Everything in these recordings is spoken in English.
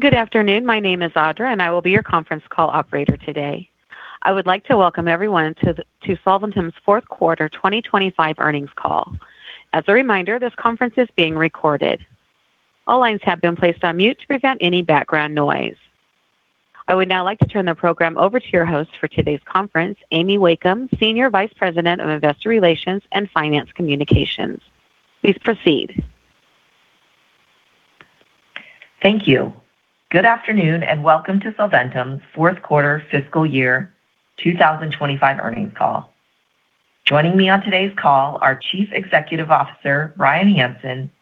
Good afternoon. My name is Audra, and I will be your conference call operator today. I would like to welcome everyone to Solventum's fourth quarter 2025 earnings call. As a reminder, this conference is being recorded. All lines have been placed on mute to prevent any background noise. I would now like to turn the program over to your host for today's conference, Amy Wakeham, Senior Vice President of Investor Relations and Finance Communications. Please proceed. Thank you. Good afternoon, welcome to Solventum's fourth quarter fiscal year 2025 earnings call. Joining me on today's call are Chief Executive Officer, Bryan Hanson,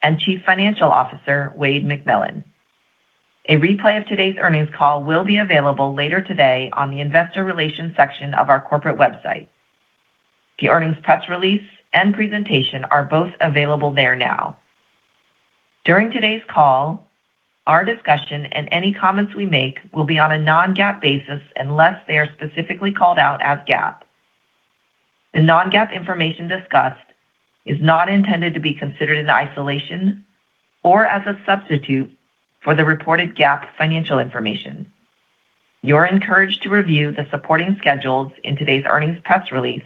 and Chief Financial Officer, Wayde McMillan. A replay of today's earnings call will be available later today on the investor relations section of our corporate website. The earnings press release and presentation are both available there now. During today's call, our discussion and any comments we make will be on a non-GAAP basis unless they are specifically called out as GAAP. The non-GAAP information discussed is not intended to be considered in isolation or as a substitute for the reported GAAP financial information. You're encouraged to review the supporting schedules in today's earnings press release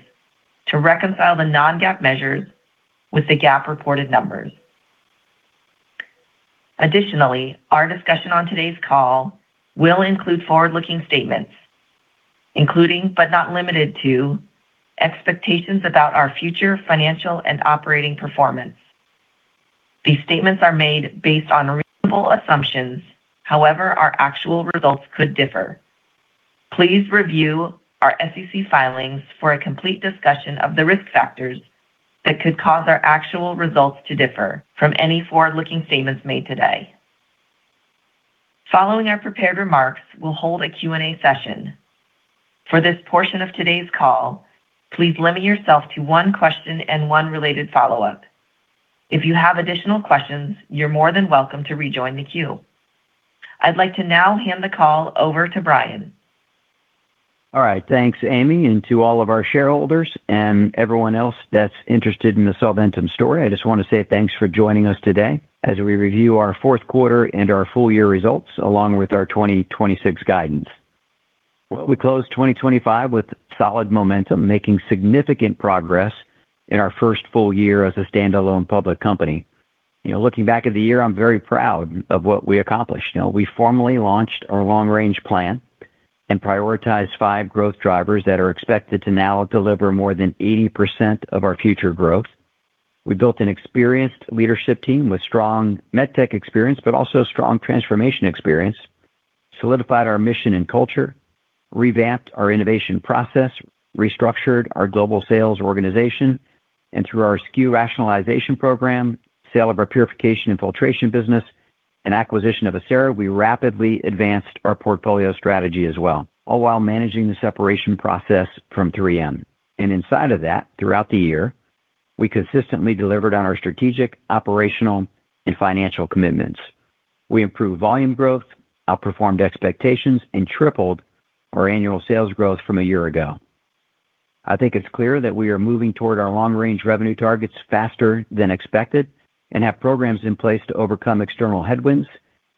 to reconcile the non-GAAP measures with the GAAP reported numbers. Additionally, our discussion on today's call will include forward-looking statements, including, but not limited to, expectations about our future financial and operating performance. These statements are made based on reasonable assumptions. However, our actual results could differ. Please review our SEC filings for a complete discussion of the risk factors that could cause our actual results to differ from any forward-looking statements made today. Following our prepared remarks, we'll hold a Q&A session. For this portion of today's call, please limit yourself to one question and one related follow-up. If you have additional questions, you're more than welcome to rejoin the queue. I'd like to now hand the call over to Bryan. All right. Thanks, Amy. To all of our shareholders and everyone else that's interested in the Solventum story, I just want to say thanks for joining us today as we review our fourth quarter and our full year results, along with our 2026 guidance. Well, we closed 2025 with solid momentum, making significant progress in our first full year as a standalone public company. You know, looking back at the year, I'm very proud of what we accomplished. You know, we formally launched our long-range plan and prioritized five growth drivers that are expected to now deliver more than 80% of our future growth. We built an experienced leadership team with strong MedTech experience, but also strong transformation experience, solidified our mission and culture, revamped our innovation process, restructured our global sales organization, and through our SKU rationalization program, sale of our Purification & Filtration business, and acquisition of Acera, we rapidly advanced our portfolio strategy as well, all while managing the separation process from 3M. Inside of that, throughout the year, we consistently delivered on our strategic, operational, and financial commitments. We improved volume growth, outperformed expectations, and tripled our annual sales growth from a year ago. I think it's clear that we are moving toward our long-range revenue targets faster than expected and have programs in place to overcome external headwinds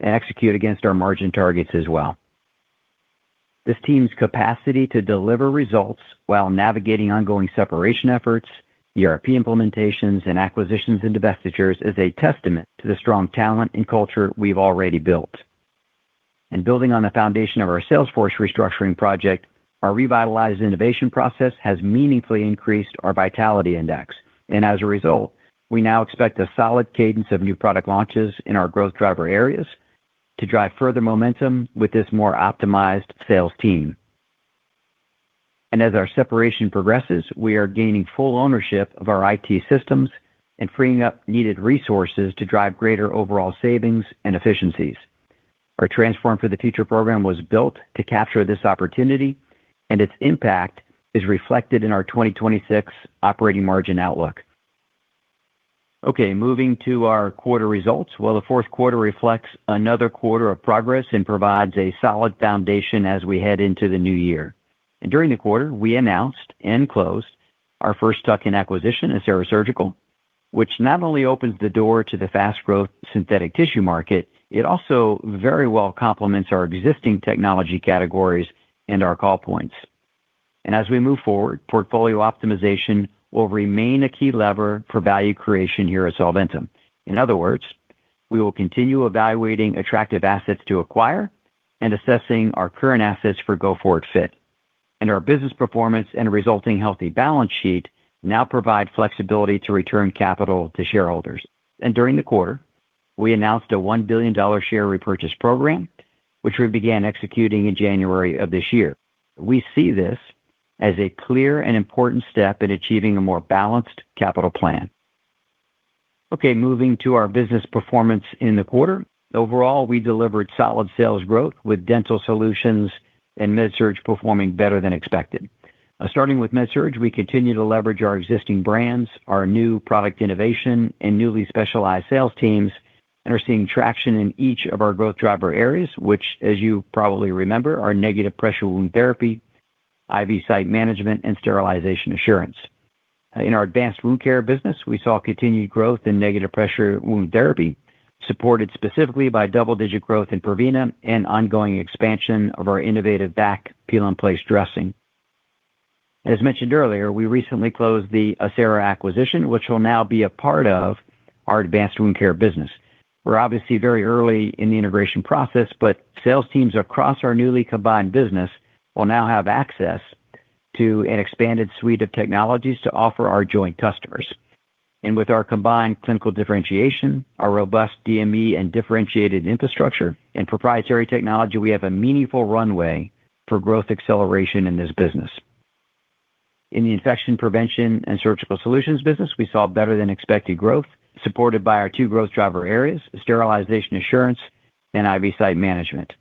and execute against our margin targets as well. This team's capacity to deliver results while navigating ongoing separation efforts, ERP implementations, and acquisitions and divestitures is a testament to the strong talent and culture we've already built. Building on the foundation of our sales force restructuring project, our revitalized innovation process has meaningfully increased our vitality index. As a result, we now expect a solid cadence of new product launches in our growth driver areas to drive further momentum with this more optimized sales team. As our separation progresses, we are gaining full ownership of our IT systems and freeing up needed resources to drive greater overall savings and efficiencies. Our Transform for the Future program was built to capture this opportunity, and its impact is reflected in our 2026 operating margin outlook. Okay, moving to our quarter results. Well, the fourth quarter reflects another quarter of progress and provides a solid foundation as we head into the new year. During the quarter, we announced and closed our first tuck-in acquisition, Acera Surgical, which not only opens the door to the fast growth synthetic tissue market, it also very well complements our existing technology categories and our call points. As we move forward, portfolio optimization will remain a key lever for value creation here at Solventum. In other words, we will continue evaluating attractive assets to acquire and assessing our current assets for go forward fit. Our business performance and resulting healthy balance sheet now provide flexibility to return capital to shareholders. During the quarter, we announced a $1 billion share repurchase program, which we began executing in January of this year. We see this as a clear and important step in achieving a more balanced capital plan. Okay, moving to our business performance in the quarter. Overall, we delivered solid sales growth with Dental Solutions and MedSurg performing better than expected. Starting with MedSurg, we continue to leverage our existing brands, our new product innovation, and newly specialized sales teams, and are seeing traction in each of our growth driver areas, which as you probably remember, are negative pressure wound therapy, IV site management, and sterilization assurance. in our advanced wound care business, we saw continued growth in negative pressure wound therapy, supported specifically by double-digit growth in Prevena and ongoing expansion of our innovative VAC Peel and Place Dressing. As mentioned earlier, we recently closed the Acera acquisition, which will now be a part of our advanced wound care business. We're obviously very early in the integration process, but sales teams across our newly combined business will now have access to an expanded suite of technologies to offer our joint customers. With our combined clinical differentiation, our robust DME and differentiated infrastructure and proprietary technology, we have a meaningful runway for growth acceleration in this business. In the infection prevention and surgical solutions business, we saw better than expected growth, supported by our two growth driver areas, sterilization assurance and IV site management.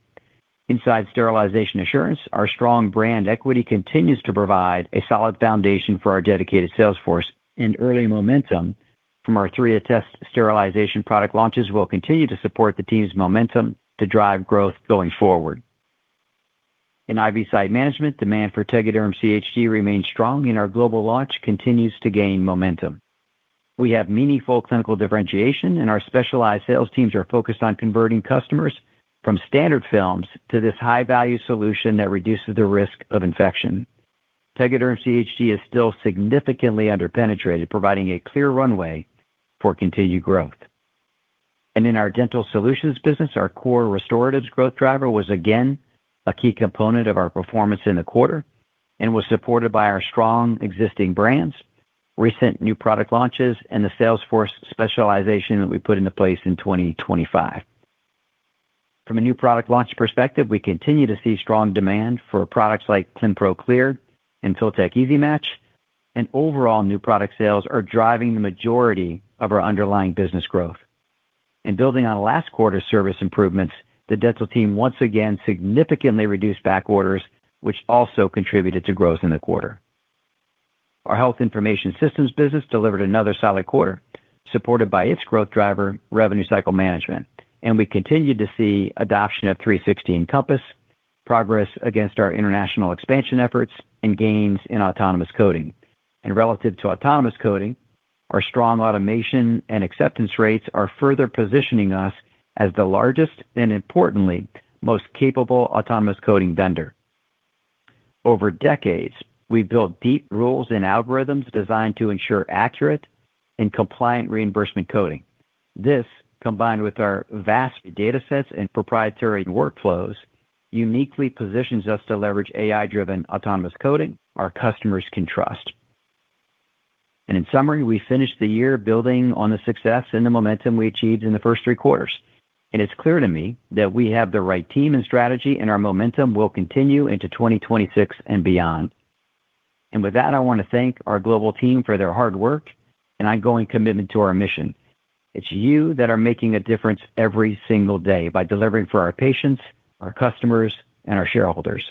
Inside sterilization assurance, our strong brand equity continues to provide a solid foundation for our dedicated sales force, and early momentum from our three Attest sterilization product launches will continue to support the team's momentum to drive growth going forward. In IV site management, demand for Tegaderm CHG remains strong, and our global launch continues to gain momentum. We have meaningful clinical differentiation, and our specialized sales teams are focused on converting customers from standard films to this high-value solution that reduces the risk of infection. Tegaderm CHG is still significantly under-penetrated, providing a clear runway for continued growth. In our Dental Solutions business, our core restoratives growth driver was again a key component of our performance in the quarter and was supported by our strong existing brands, recent new product launches, and the sales force specialization that we put into place in 2025. From a new product launch perspective, we continue to see strong demand for products like Clinpro Clear and Filtek Easy Match, and overall new product sales are driving the majority of our underlying business growth. Building on last quarter's service improvements, the dental team once again significantly reduced back orders, which also contributed to growth in the quarter. Our Health Information Systems business delivered another solid quarter, supported by its growth driver, revenue cycle management. We continued to see adoption of 360 Encompass, progress against our international expansion efforts, and gains in autonomous coding. Relative to autonomous coding, our strong automation and acceptance rates are further positioning us as the largest and importantly, most capable autonomous coding vendor. Over decades, we've built deep rules and algorithms designed to ensure accurate and compliant reimbursement coding. This, combined with our vast data sets and proprietary workflows, uniquely positions us to leverage AI-driven autonomous coding our customers can trust. In summary, we finished the year building on the success and the momentum we achieved in the first three quarters. It's clear to me that we have the right team and strategy, and our momentum will continue into 2026 and beyond. With that, I want to thank our global team for their hard work and ongoing commitment to our mission. It's you that are making a difference every single day by delivering for our patients, our customers, and our shareholders.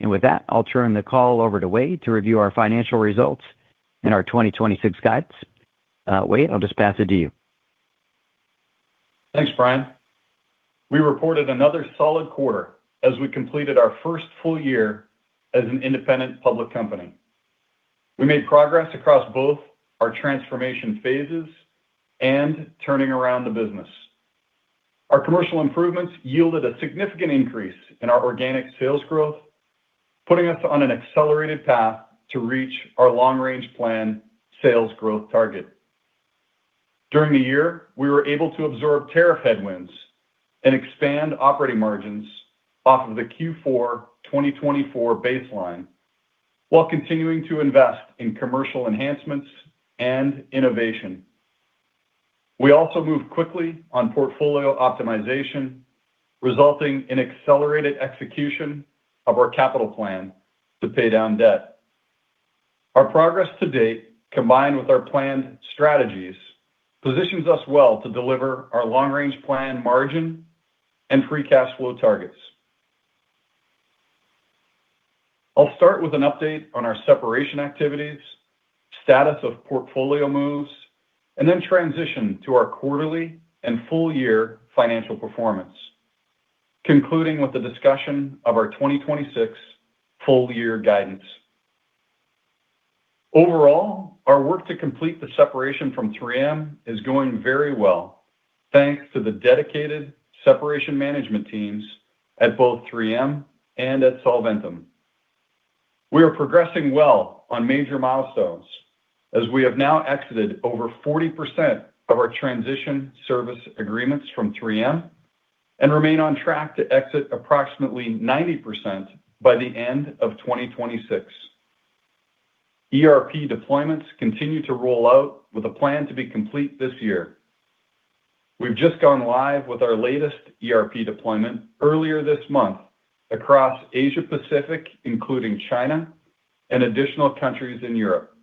With that, I'll turn the call over to Wayde to review our financial results and our 2026 guides. Wayde, I'll just pass it to you. Thanks, Bryan. We reported another solid quarter as we completed our first full year as an independent public company. We made progress across both our transformation phases and turning around the business. Our commercial improvements yielded a significant increase in our organic sales growth, putting us on an accelerated path to reach our long-range plan sales growth target. During the year, we were able to absorb tariff headwinds and expand operating margins off of the Q4 2024 baseline while continuing to invest in commercial enhancements and innovation. We also moved quickly on portfolio optimization, resulting in accelerated execution of our capital plan to pay down debt. Our progress to date, combined with our planned strategies, positions us well to deliver our long-range plan margin and free cash flow targets. I'll start with an update on our separation activities, status of portfolio moves, and then transition to our quarterly and full-year financial performance, concluding with the discussion of our 2026 full-year guidance. Overall, our work to complete the separation from 3M is going very well, thanks to the dedicated separation management teams at both 3M and at Solventum. We are progressing well on major milestones as we have now exited over 40% of our transition service agreements from 3M and remain on track to exit approximately 90% by the end of 2026. ERP deployments continue to roll out with a plan to be complete this year. We've just gone live with our latest ERP deployment earlier this month across Asia Pacific, including China, and additional countries in Europe.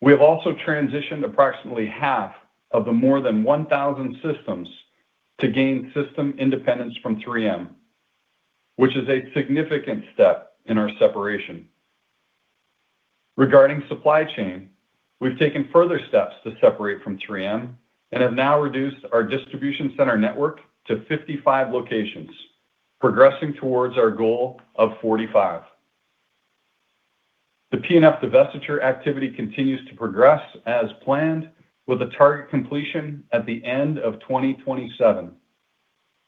We have also transitioned approximately half of the more than 1,000 systems to gain system independence from 3M, which is a significant step in our separation. Regarding supply chain, we've taken further steps to separate from 3M and have now reduced our distribution center network to 55 locations. Progressing towards our goal of 45. The P&F divestiture activity continues to progress as planned with a target completion at the end of 2027.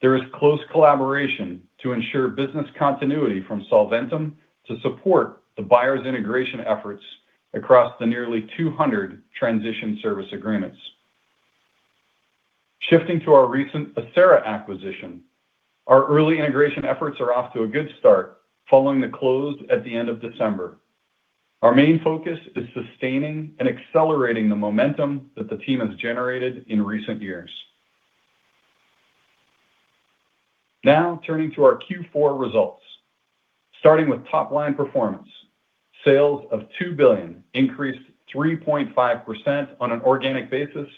There is close collaboration to ensure business continuity from Solventum to support the buyer's integration efforts across the nearly 200 transition service agreements. Shifting to our recent Acera acquisition, our early integration efforts are off to a good start following the close at the end of December. Our main focus is sustaining and accelerating the momentum that the team has generated in recent years. Turning to our Q4 results. Starting with top-line performance, sales of $2 billion increased 3.5% on an organic basis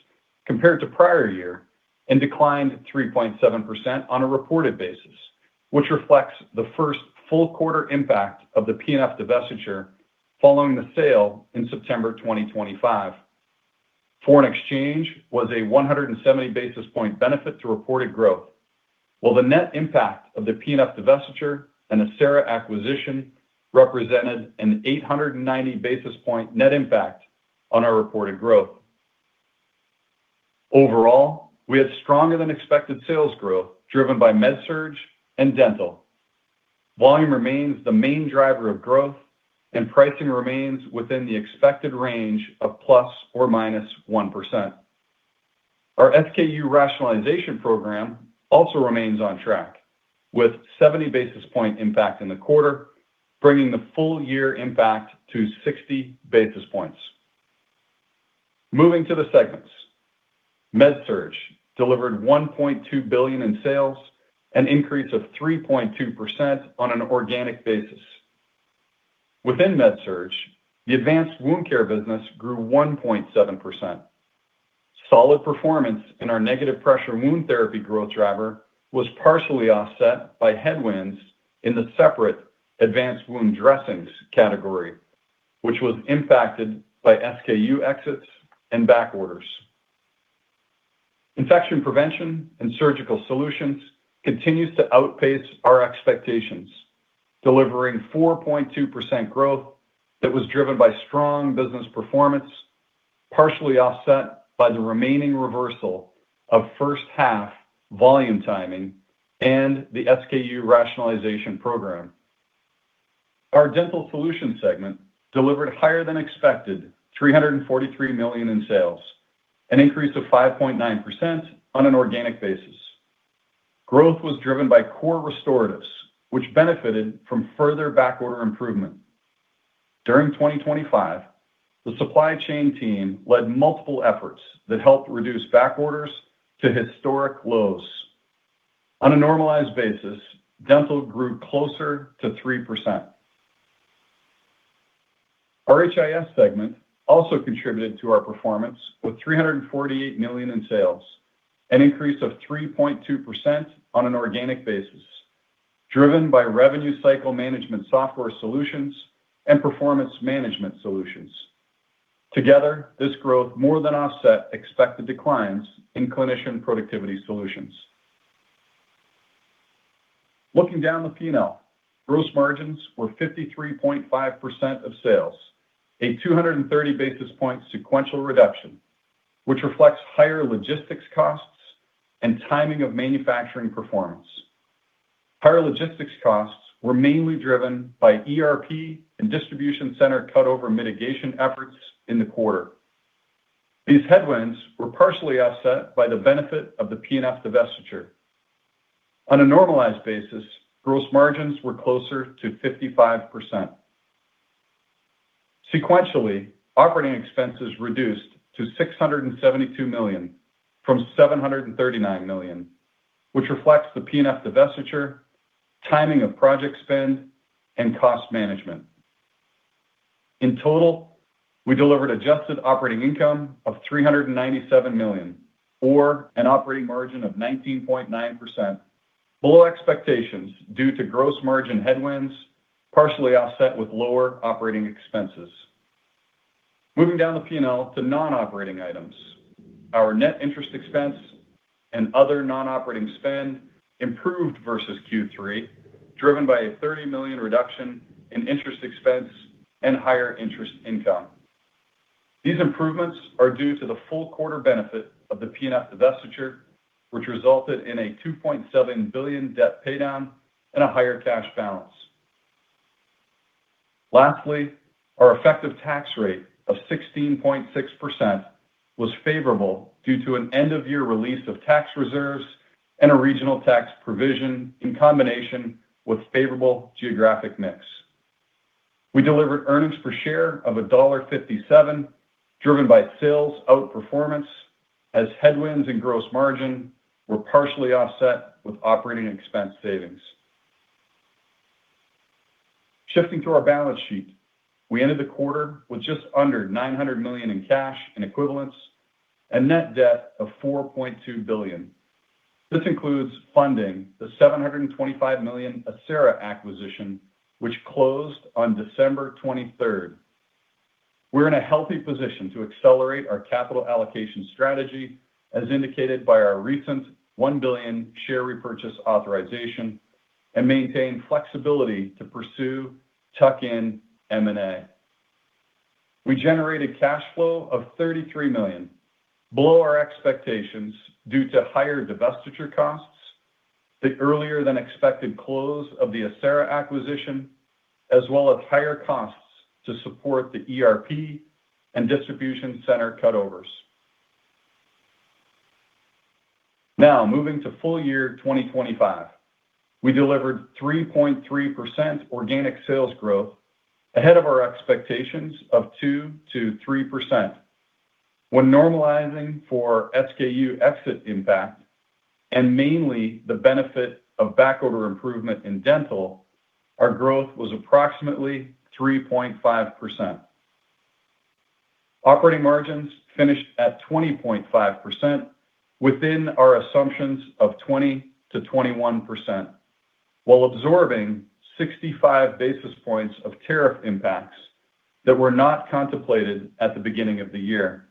compared to prior year and declined 3.7% on a reported basis, which reflects the first full quarter impact of the P&F divestiture following the sale in September 2025. Foreign exchange was a 170 basis point benefit to reported growth, while the net impact of the P&F divestiture and Acera acquisition represented an 890 basis point net impact on our reported growth. Overall, we had stronger than expected sales growth driven by MedSurg and Dental. Volume remains the main driver of growth, and pricing remains within the expected range of ±1%. Our SKU rationalization program also remains on track with 70 basis point impact in the quarter, bringing the full year impact to 60 basis points. Moving to the segments. MedSurg delivered $1.2 billion in sales, an increase of 3.2% on an organic basis. Within MedSurg, the advanced wound care business grew 1.7%. Solid performance in our negative pressure wound therapy growth driver was partially offset by headwinds in the separate advanced wound dressings category, which was impacted by SKU exits and back orders. Infection prevention and surgical solutions continues to outpace our expectations, delivering 4.2% growth that was driven by strong business performance, partially offset by the remaining reversal of first half volume timing and the SKU rationalization program. Our Dental Solutions segment delivered higher than expected $343 million in sales, an increase of 5.9% on an organic basis. Growth was driven by core restoratives, which benefited from further back order improvement. During 2025, the supply chain team led multiple efforts that helped reduce back orders to historic lows. On a normalized basis, Dental grew closer to 3%. Our HIS segment also contributed to our performance with $348 million in sales, an increase of 3.2% on an organic basis, driven by revenue cycle management software solutions and performance management solutions. This growth more than offset expected declines in clinician productivity solutions. Looking down the P&L, gross margins were 53.5% of sales, a 230 basis point sequential reduction, which reflects higher logistics costs and timing of manufacturing performance. Higher logistics costs were mainly driven by ERP and distribution center cutover mitigation efforts in the quarter. These headwinds were partially offset by the benefit of the P&F divestiture. On a normalized basis, gross margins were closer to 55%. Sequentially, operating expenses reduced to $672 million from $739 million, which reflects the P&F divestiture, timing of project spend, and cost management. In total, we delivered adjusted operating income of $397 million or an operating margin of 19.9%, below expectations due to gross margin headwinds, partially offset with lower operating expenses. Moving down the P&L to non-operating items. Our net interest expense and other non-operating spend improved versus Q3, driven by a $30 million reduction in interest expense and higher interest income. These improvements are due to the full quarter benefit of the P&F divestiture, which resulted in a $2.7 billion debt paydown and a higher cash balance. Our effective tax rate of 16.6% was favorable due to an end-of-year release of tax reserves and a regional tax provision in combination with favorable geographic mix. We delivered earnings per share of $1.57, driven by sales outperformance as headwinds and gross margin were partially offset with operating expense savings. Shifting to our balance sheet, we ended the quarter with just under $900 million in cash and equivalents and net debt of $4.2 billion. This includes funding the $725 million Acera acquisition, which closed on December 23rd. We're in a healthy position to accelerate our capital allocation strategy as indicated by our recent $1 billion share repurchase authorization and maintain flexibility to pursue tuck-in M&A. We generated cash flow of $33 million, below our expectations due to higher divestiture costs, the earlier than expected close of the Acera acquisition, as well as higher costs to support the ERP and distribution center cutovers. Moving to full year 2025. We delivered 3.3% organic sales growth ahead of our expectations of 2%-3%. When normalizing for SKU exit impact and mainly the benefit of backorder improvement in Dental, our growth was approximately 3.5%. Operating margins finished at 20.5% within our assumptions of 20%-21%, while absorbing 65 basis points of tariff impacts that were not contemplated at the beginning of the year.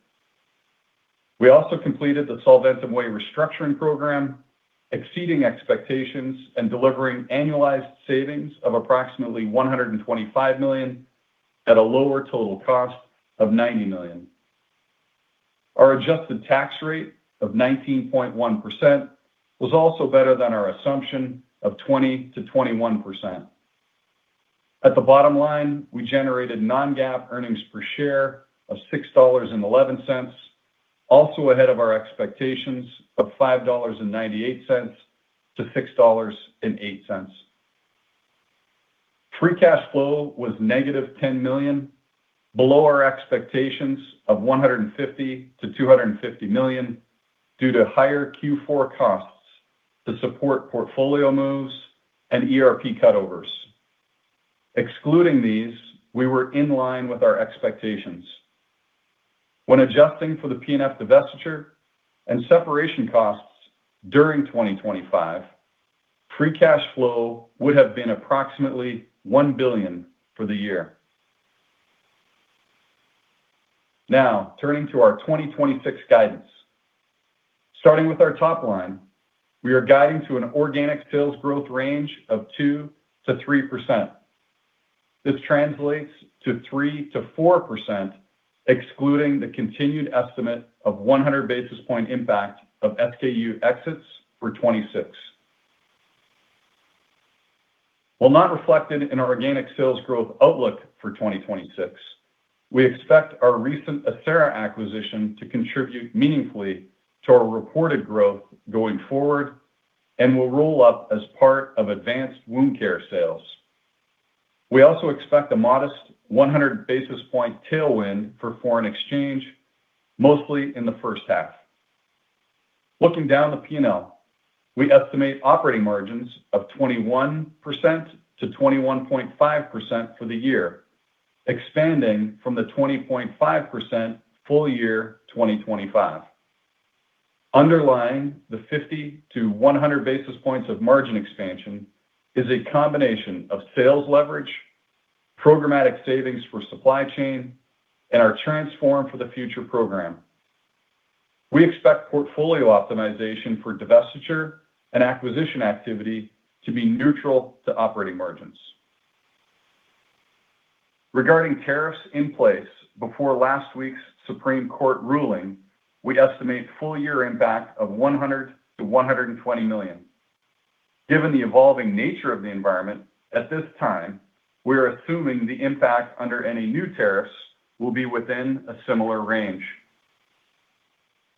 We also completed the Solventum Way restructuring program, exceeding expectations and delivering annualized savings of approximately $125 million at a lower total cost of $90 million. Our adjusted tax rate of 19.1% was also better than our assumption of 20%-21%. At the bottom line, we generated non-GAAP earnings per share of $6.11, also ahead of our expectations of $5.98-$6.08. Free cash flow was -$10 million, below our expectations of $150 million-$250 million due to higher Q4 costs to support portfolio moves and ERP cutovers. Excluding these, we were in line with our expectations. When adjusting for the P&F divestiture and separation costs during 2025, free cash flow would have been approximately $1 billion for the year. Now, turning to our 2026 guidance. Starting with our top line, we are guiding to an organic sales growth range of 2%-3%. This translates to 3%-4%, excluding the continued estimate of 100 basis point impact of SKU exits for 2026. While not reflected in our organic sales growth outlook for 2026, we expect our recent Acera acquisition to contribute meaningfully to our reported growth going forward and will roll up as part of advanced wound care sales. We also expect a modest 100 basis point tailwind for foreign exchange, mostly in the first half. Looking down the P&L, we estimate operating margins of 21%-21.5% for the year, expanding from the 20.5% full year 2025. Underlying the 50 basis points to 100 basis points of margin expansion is a combination of sales leverage, programmatic savings for supply chain, and our Transform for the Future program. We expect portfolio optimization for divestiture and acquisition activity to be neutral to operating margins. Regarding tariffs in place before last week's Supreme Court ruling, we estimate full year impact of $100 million-$120 million. Given the evolving nature of the environment, at this time, we are assuming the impact under any new tariffs will be within a similar range.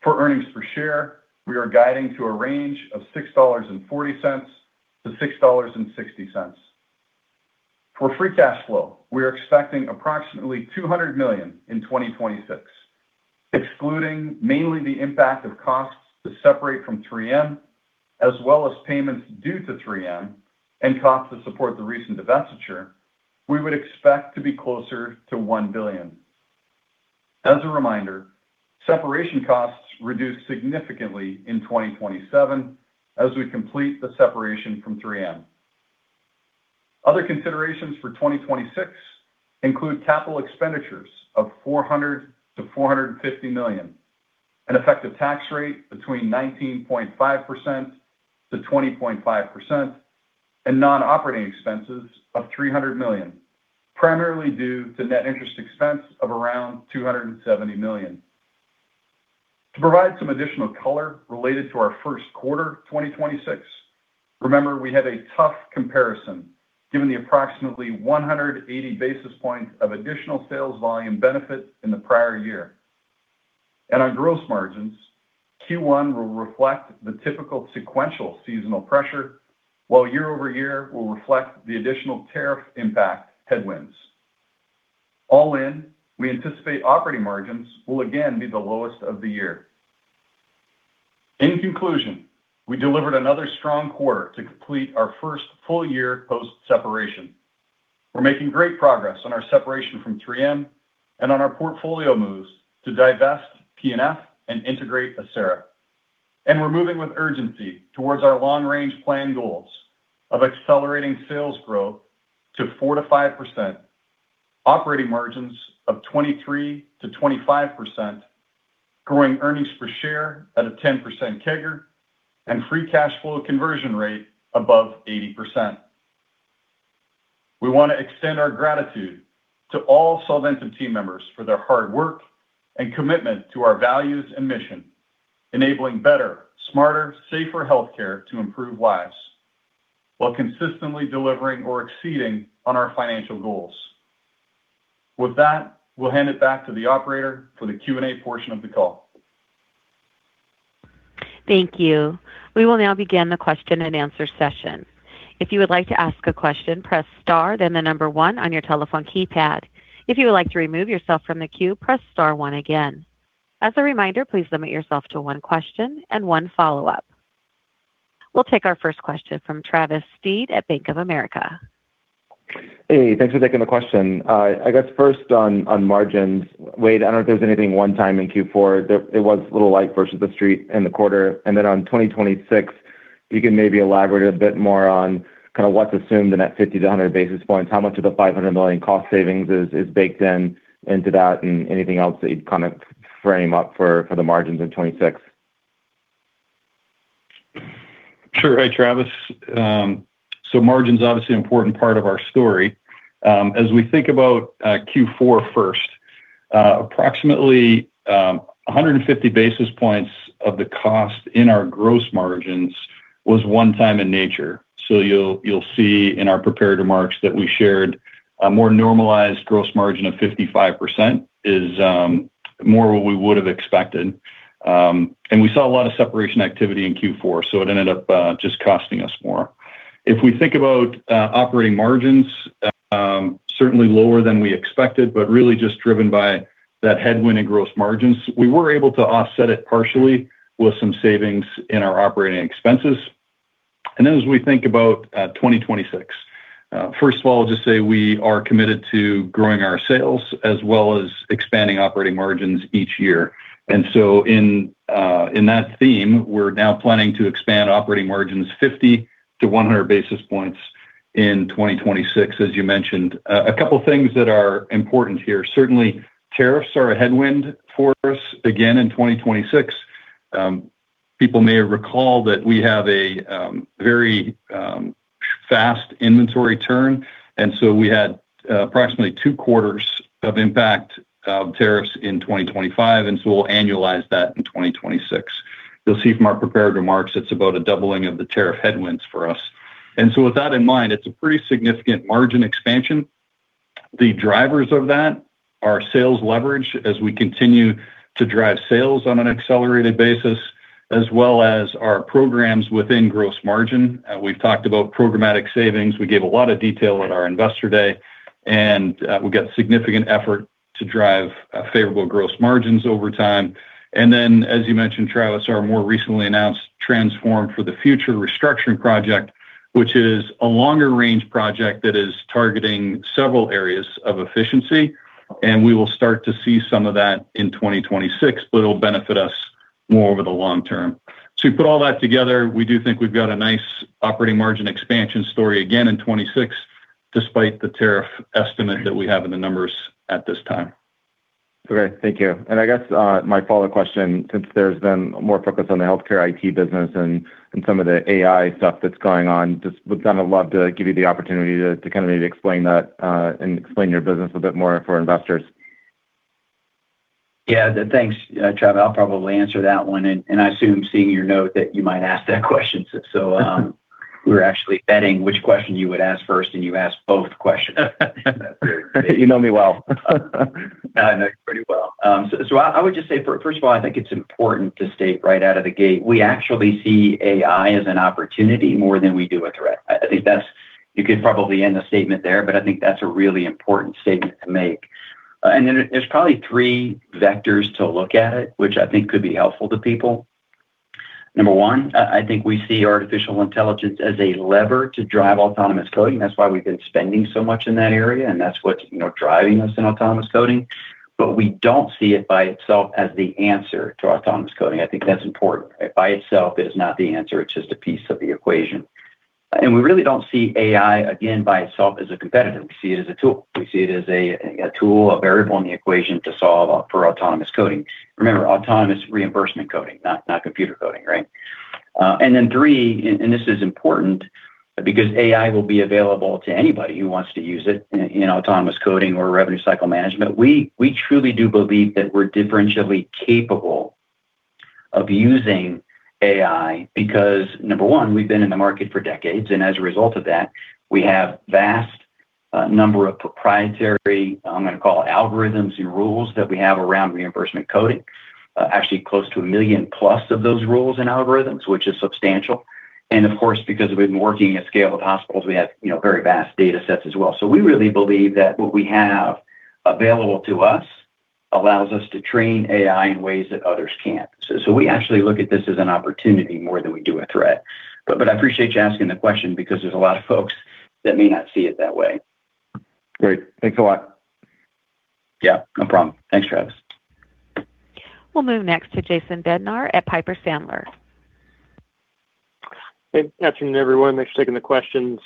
For earnings per share, we are guiding to a range of $6.40-$6.60. For free cash flow, we are expecting approximately $200 million in 2026. Excluding mainly the impact of costs to separate from 3M, as well as payments due to 3M and costs to support the recent divestiture, we would expect to be closer to $1 billion. As a reminder, separation costs reduce significantly in 2027 as we complete the separation from 3M. Other considerations for 2026 include capital expenditures of $400 million-$450 million, an effective tax rate between 19.5%-20.5%, and non-operating expenses of $300 million, primarily due to net interest expense of around $270 million. To provide some additional color related to our Q1 2026, remember we had a tough comparison given the approximately 180 basis points of additional sales volume benefit in the prior year. On gross margins, Q1 will reflect the typical sequential seasonal pressure, while year-over-year will reflect the additional tariff impact headwinds. All in, we anticipate operating margins will again be the lowest of the year. In conclusion, we delivered another strong quarter to complete our first full year post-separation. We're making great progress on our separation from 3M and on our portfolio moves to divest P&F and integrate Acera. We're moving with urgency towards our long-range plan goals of accelerating sales growth to 4%-5%, operating margins of 23%-25%, growing earnings per share at a 10% CAGR, and free cash flow conversion rate above 80%. We wanna extend our gratitude to all Solventum team members for their hard work and commitment to our values and mission, enabling better, smarter, safer healthcare to improve lives while consistently delivering or exceeding on our financial goals. With that, we'll hand it back to the operator for the Q&A portion of the call. Thank you. We will now begin the question and answer session. If you would like to ask a question, press star then the number one on your telephone keypad. If you would like to remove yourself from the queue, press star one again. As a reminder, please limit yourself to one question and one follow-up. We'll take our first question from Travis Steed at Bank of America. Hey, thanks for taking the question. I guess first on margins. Wayde, I don't know if there's anything one time in Q4. It was a little light versus the street in the quarter. Then on 2026, if you can maybe elaborate a bit more on kinda what's assumed in that 50 basis points to 100 basis points. How much of the $500 million cost savings is baked in into that and anything else that you'd kinda frame up for the margins in 2026? Sure. Hey, Travis. Margin's obviously an important part of our story. As we think about Q4 first, approximately 150 basis points of the cost in our gross margins was one time in nature. You'll see in our prepared remarks that we shared a more normalized gross margin of 55% is more what we would have expected. We saw a lot of separation activity in Q4, so it ended up just costing us more. If we think about operating margins, certainly lower than we expected, but really just driven by that headwind in gross margins. We were able to offset it partially with some savings in our operating expenses. Then as we think about 2026. First of all, just say we are committed to growing our sales as well as expanding operating margins each year. In, in that theme, we're now planning to expand operating margins 50 basis points to 100 basis points in 2026, as you mentioned. A couple things that are important here. Certainly, tariffs are a headwind for us again in 2026. People may recall that we have a very fast inventory turn, and so we had approximately two quarters of impact of tariffs in 2025, and so we'll annualize that in 2026. You'll see from our prepared remarks, it's about a doubling of the tariff headwinds for us. With that in mind, it's a pretty significant margin expansion. The drivers of that are sales leverage as we continue to drive sales on an accelerated basis, as well as our programs within gross margin. We've talked about programmatic savings. We gave a lot of detail at our Investor Day, we've got significant effort to drive favorable gross margins over time. As you mentioned, Travis, our more recently announced Transform for the Future restructuring project, which is a longer range project that is targeting several areas of efficiency, and we will start to see some of that in 2026, but it'll benefit us more over the long term. You put all that together, we do think we've got a nice operating margin expansion story again in 2026, despite the tariff estimate that we have in the numbers at this time. Okay. Thank you. I guess, my follow-up question, since there's been more focus on the healthcare IT business and some of the AI stuff that's going on, just would kinda love to give you the opportunity to kinda maybe explain that and explain your business a bit more for investors. Yeah. Thanks, Travis. I'll probably answer that one. I assume, seeing your note, that you might ask that question too. We're actually betting which question you would ask first, and you asked both questions. You know me well. I know you pretty well. I would just say first of all, I think it's important to state right out of the gate, we actually see AI as an opportunity more than we do a threat. I think that's. You could probably end the statement there, but I think that's a really important statement to make. Then there's probably three vectors to look at it, which I think could be helpful to people. Number one, I think we see artificial intelligence as a lever to drive autonomous coding. That's why we've been spending so much in that area, and that's what's, you know, driving us in autonomous coding. We don't see it by itself as the answer to autonomous coding. I think that's important. By itself, it is not the answer. It's just a piece of the equation. We really don't see AI, again, by itself as a competitor. We see it as a tool. We see it as a tool, a variable in the equation to solve for autonomous coding. Remember, autonomous reimbursement coding, not computer coding, right? Then three, and this is important because AI will be available to anybody who wants to use it in autonomous coding or revenue cycle management. We truly do believe that we're differentially capable of using AI because, number one, we've been in the market for decades, and as a result of that, we have vast number of proprietary, I'm gonna call algorithms and rules that we have around reimbursement coding. Actually close to a million plus of those rules and algorithms, which is substantial. Of course, because we've been working at scale with hospitals, we have, you know, very vast data sets as well. We really believe that what we have available to us allows us to train AI in ways that others can't. We actually look at this as an opportunity more than we do a threat. I appreciate you asking the question because there's a lot of folks that may not see it that way. Great. Thanks a lot. Yeah, no problem. Thanks, Travis. We'll move next to Jason Bednar at Piper Sandler. Hey, good afternoon, everyone. Thanks for taking the questions.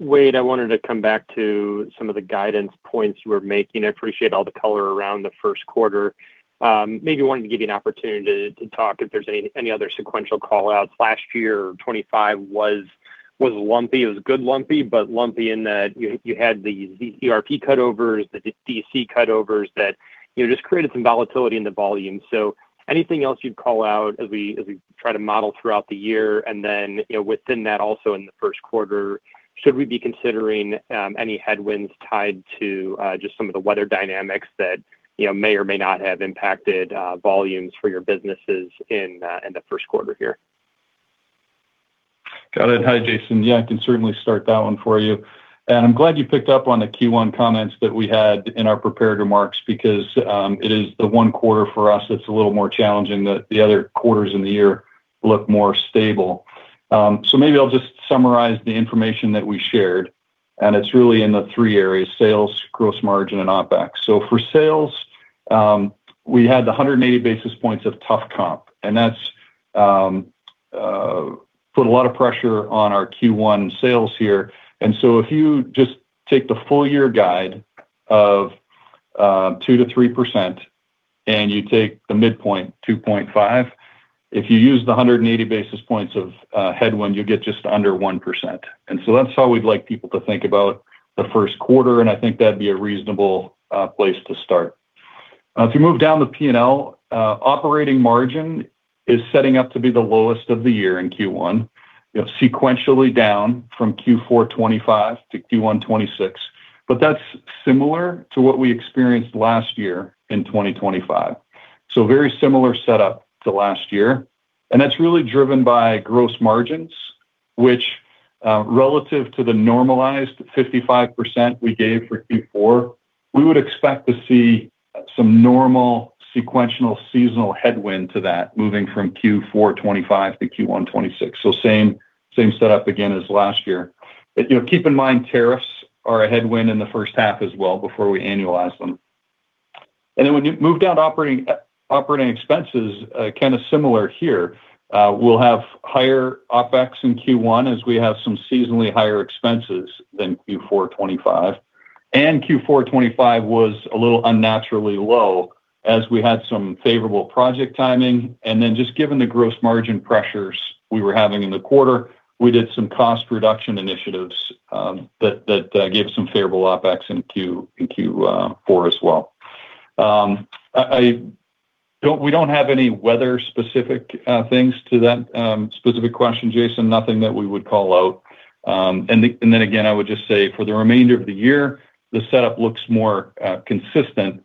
Wayde, I wanted to come back to some of the guidance points you were making. I appreciate all the color around the first quarter. Maybe wanted to give you an opportunity to talk if there's any other sequential call-outs. Last year, 2025 was lumpy. It was good lumpy, but lumpy in that you had the ERP cutovers, the DC cutovers that, you know, just created some volatility in the volume. Anything else you'd call out as we try to model throughout the year? You know, within that also in the first quarter, should we be considering any headwinds tied to just some of the weather dynamics that, you know, may or may not have impacted volumes for your businesses in the first quarter here? Got it. Hi, Jason. I can certainly start that one for you. I'm glad you picked up on the Q1 comments that we had in our prepared remarks because it is the one quarter for us that's a little more challenging, that the other quarters in the year look more stable. Maybe I'll just summarize the information that we shared, and it's really in the three areas: sales, gross margin, and OpEx. For sales, we had the 180 basis points of tough comp, and that's put a lot of pressure on our Q1 sales here. If you just take the full year guide of 2%-3% and you take the midpoint, 2.5%, if you use the 180 basis points of headwind, you'll get just under 1%. That's how we'd like people to think about the first quarter, and I think that'd be a reasonable place to start. If you move down the P&L, operating margin is setting up to be the lowest of the year in Q1. You know, sequentially down from Q4 2025 to Q1 2026. That's similar to what we experienced last year in 2025. Very similar setup to last year. That's really driven by gross margins, which, relative to the normalized 55% we gave for Q4, we would expect to see some normal sequential seasonal headwind to that moving from Q4 2025 to Q1 2026. Same setup again as last year. You know, keep in mind, tariffs are a headwind in the first half as well before we annualize them. When you move down to operating expenses, kinda similar here. We'll have higher OpEx in Q1 as we have some seasonally higher expenses than Q4 2025. Q4 2025 was a little unnaturally low as we had some favorable project timing. Just given the gross margin pressures we were having in the quarter, we did some cost reduction initiatives that gave some favorable OpEx in Q4 as well. We don't have any weather specific things to that specific question, Jason. Nothing that we would call out. Again, I would just say for the remainder of the year, the setup looks more consistent.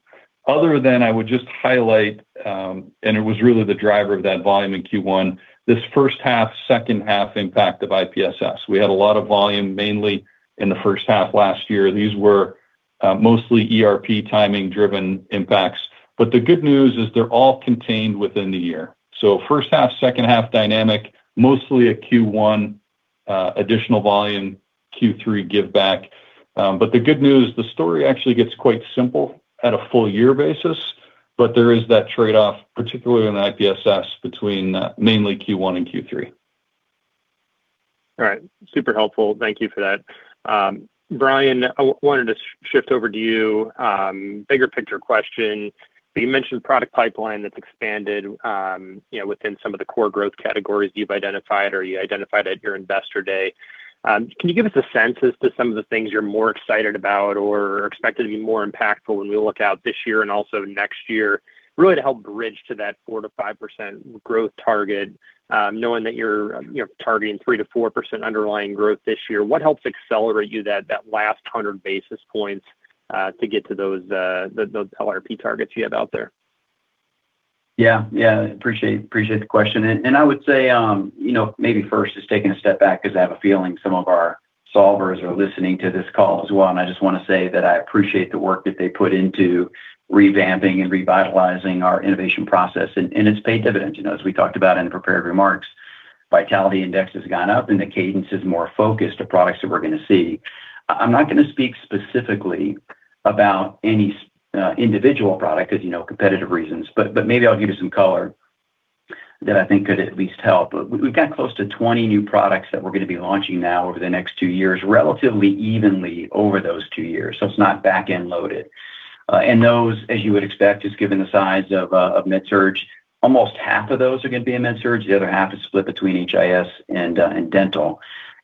Other than I would just highlight, and it was really the driver of that volume in Q1, this first half, second half impact of IPSS. We had a lot of volume, mainly in the first half last year. These were mostly ERP timing-driven impacts. The good news is they're all contained within the year. First half, second half dynamic, mostly a Q1 additional volume, Q3 give back. The good news, the story actually gets quite simple at a full year basis, but there is that trade-off, particularly in IPSS, between mainly Q1 and Q3. All right. Super helpful. Thank you for that. Bryan, I wanted to shift over to you. Bigger picture question. You mentioned product pipeline that's expanded, you know, within some of the core growth categories you've identified or you identified at your investor day. Can you give us a sense as to some of the things you're more excited about or expected to be more impactful when we look out this year and also next year, really to help bridge to that 4%-5% growth target, knowing that you're, you know, targeting 3%-4% underlying growth this year? What helps accelerate you that last 100 basis points to get to those LRP targets you have out there? Yeah. Yeah. Appreciate the question. I would say, you know, maybe first just taking a step back because I have a feeling some of our solvers are listening to this call as well. I just wanna say that I appreciate the work that they put into revamping and revitalizing our innovation process, and it's paid dividends. You know, as we talked about in prepared remarks, vitality index has gone up, the cadence is more focused to products that we're gonna see. I'm not gonna speak specifically about any individual product because, you know, competitive reasons, but maybe I'll give you some color that I think could at least help. We've got close to 20 new products that we're gonna be launching now over the next two years, relatively evenly over those two years. It's not back-end loaded. Those, as you would expect, just given the size of MedSurg, almost half of those are gonna be in MedSurg. The other half is split between HIS and Dental.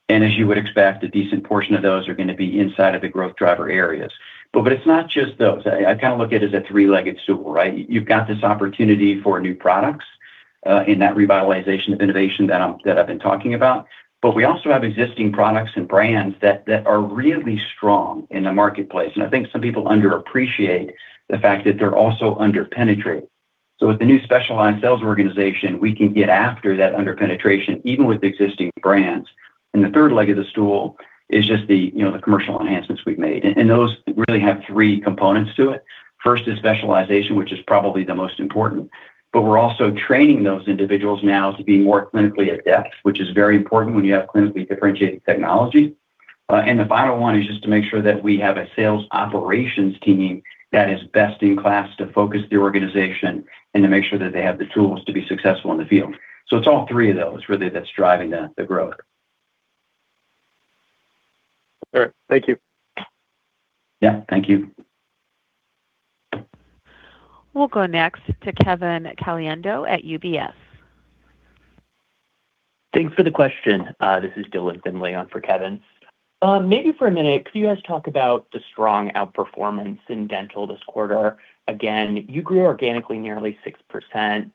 As you would expect, a decent portion of those are gonna be inside of the growth driver areas. It's not just those. I kinda look at it as a three-legged stool, right? You've got this opportunity for new products, in that revitalization of innovation that I've been talking about. We also have existing products and brands that are really strong in the marketplace. I think some people underappreciate the fact that they're also under-penetrated. With the new specialized sales organization, we can get after that under-penetration, even with existing brands. The third leg of the stool is just the, you know, the commercial enhancements we've made. Those really have three components to it. First is specialization, which is probably the most important. We're also training those individuals now to be more clinically adept, which is very important when you have clinically differentiated technology. The final one is just to make sure that we have a sales operations team that is best in class to focus the organization and to make sure that they have the tools to be successful in the field. It's all three of those, really, that's driving the growth. All right. Thank you. Yeah, thank you. We'll go next to Kevin Caliendo at UBS. Thanks for the question. This is Dylan Finley on for Kevin. Maybe for a minute, could you guys talk about the strong outperformance in dental this quarter? Again, you grew organically nearly 6%.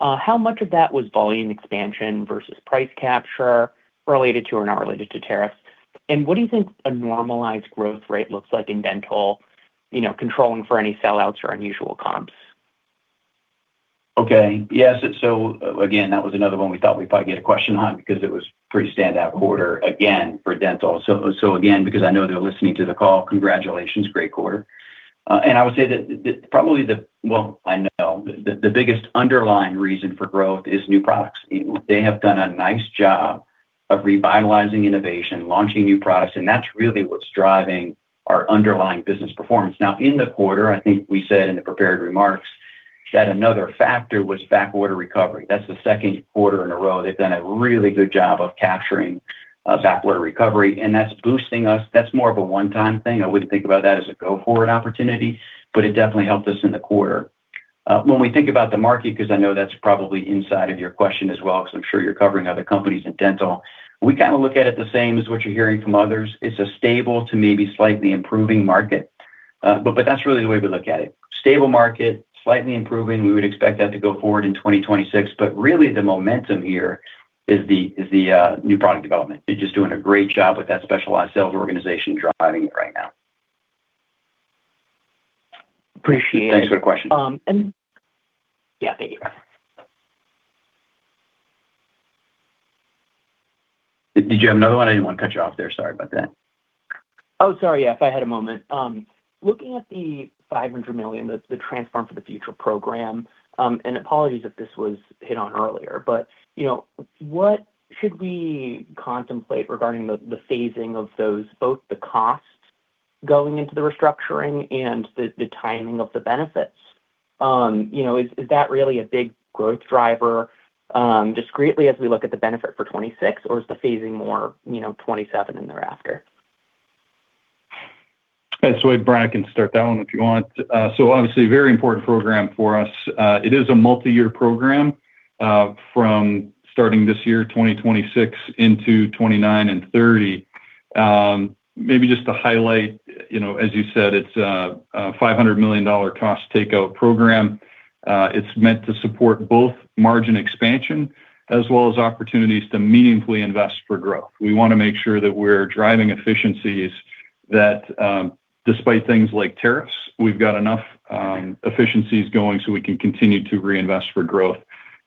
How much of that was volume expansion versus price capture related to or not related to tariffs? What do you think a normalized growth rate looks like in dental, you know, controlling for any sellouts or unusual comps? Okay. Yes. Again, that was another one we thought we'd probably get a question on because it was pretty standout quarter again for Dental. Again, because I know they're listening to the call, congratulations, great quarter. I would say well, I know the biggest underlying reason for growth is new products. They have done a nice job of revitalizing innovation, launching new products, and that's really what's driving our underlying business performance. Now in the quarter, I think we said in the prepared remarks that another factor was back order recovery. That's the second quarter in a row. They've done a really good job of capturing back order recovery, that's boosting us. That's more of a one-time thing. I wouldn't think about that as a go-forward opportunity, it definitely helped us in the quarter. When we think about the market, 'cause I know that's probably inside of your question as well, 'cause I'm sure you're covering other companies in dental, we kinda look at it the same as what you're hearing from others. It's a stable to maybe slightly improving market. That's really the way we look at it. Stable market, slightly improving. We would expect that to go forward in 2026. Really the momentum here is the new product development. They're just doing a great job with that specialized sales organization driving it right now. Appreciate it. Thanks for the question. yeah, thank you. Did you have another one? I didn't wanna cut you off there. Sorry about that. Oh, sorry. Yeah. If I had a moment. Looking at the $500 million, the Transform for the Future program. Apologies if this was hit on earlier, but, you know, what should we contemplate regarding the phasing of those, both the costs going into the restructuring and the timing of the benefits? You know, is that really a big growth driver, discreetly as we look at the benefit for 2026, or is the phasing more, you know, 2027 and thereafter? Bryan Hanson can start that one if you want. Obviously very important program for us. It is a multi-year program, from starting this year, 2026 into 2029 and 2030. Just to highlight, you know, as you said, it's a $500 million cost takeout program. It's meant to support both margin expansion as well as opportunities to meaningfully invest for growth. We wanna make sure that we're driving efficiencies that, despite things like tariffs, we've got enough efficiencies going so we can continue to reinvest for growth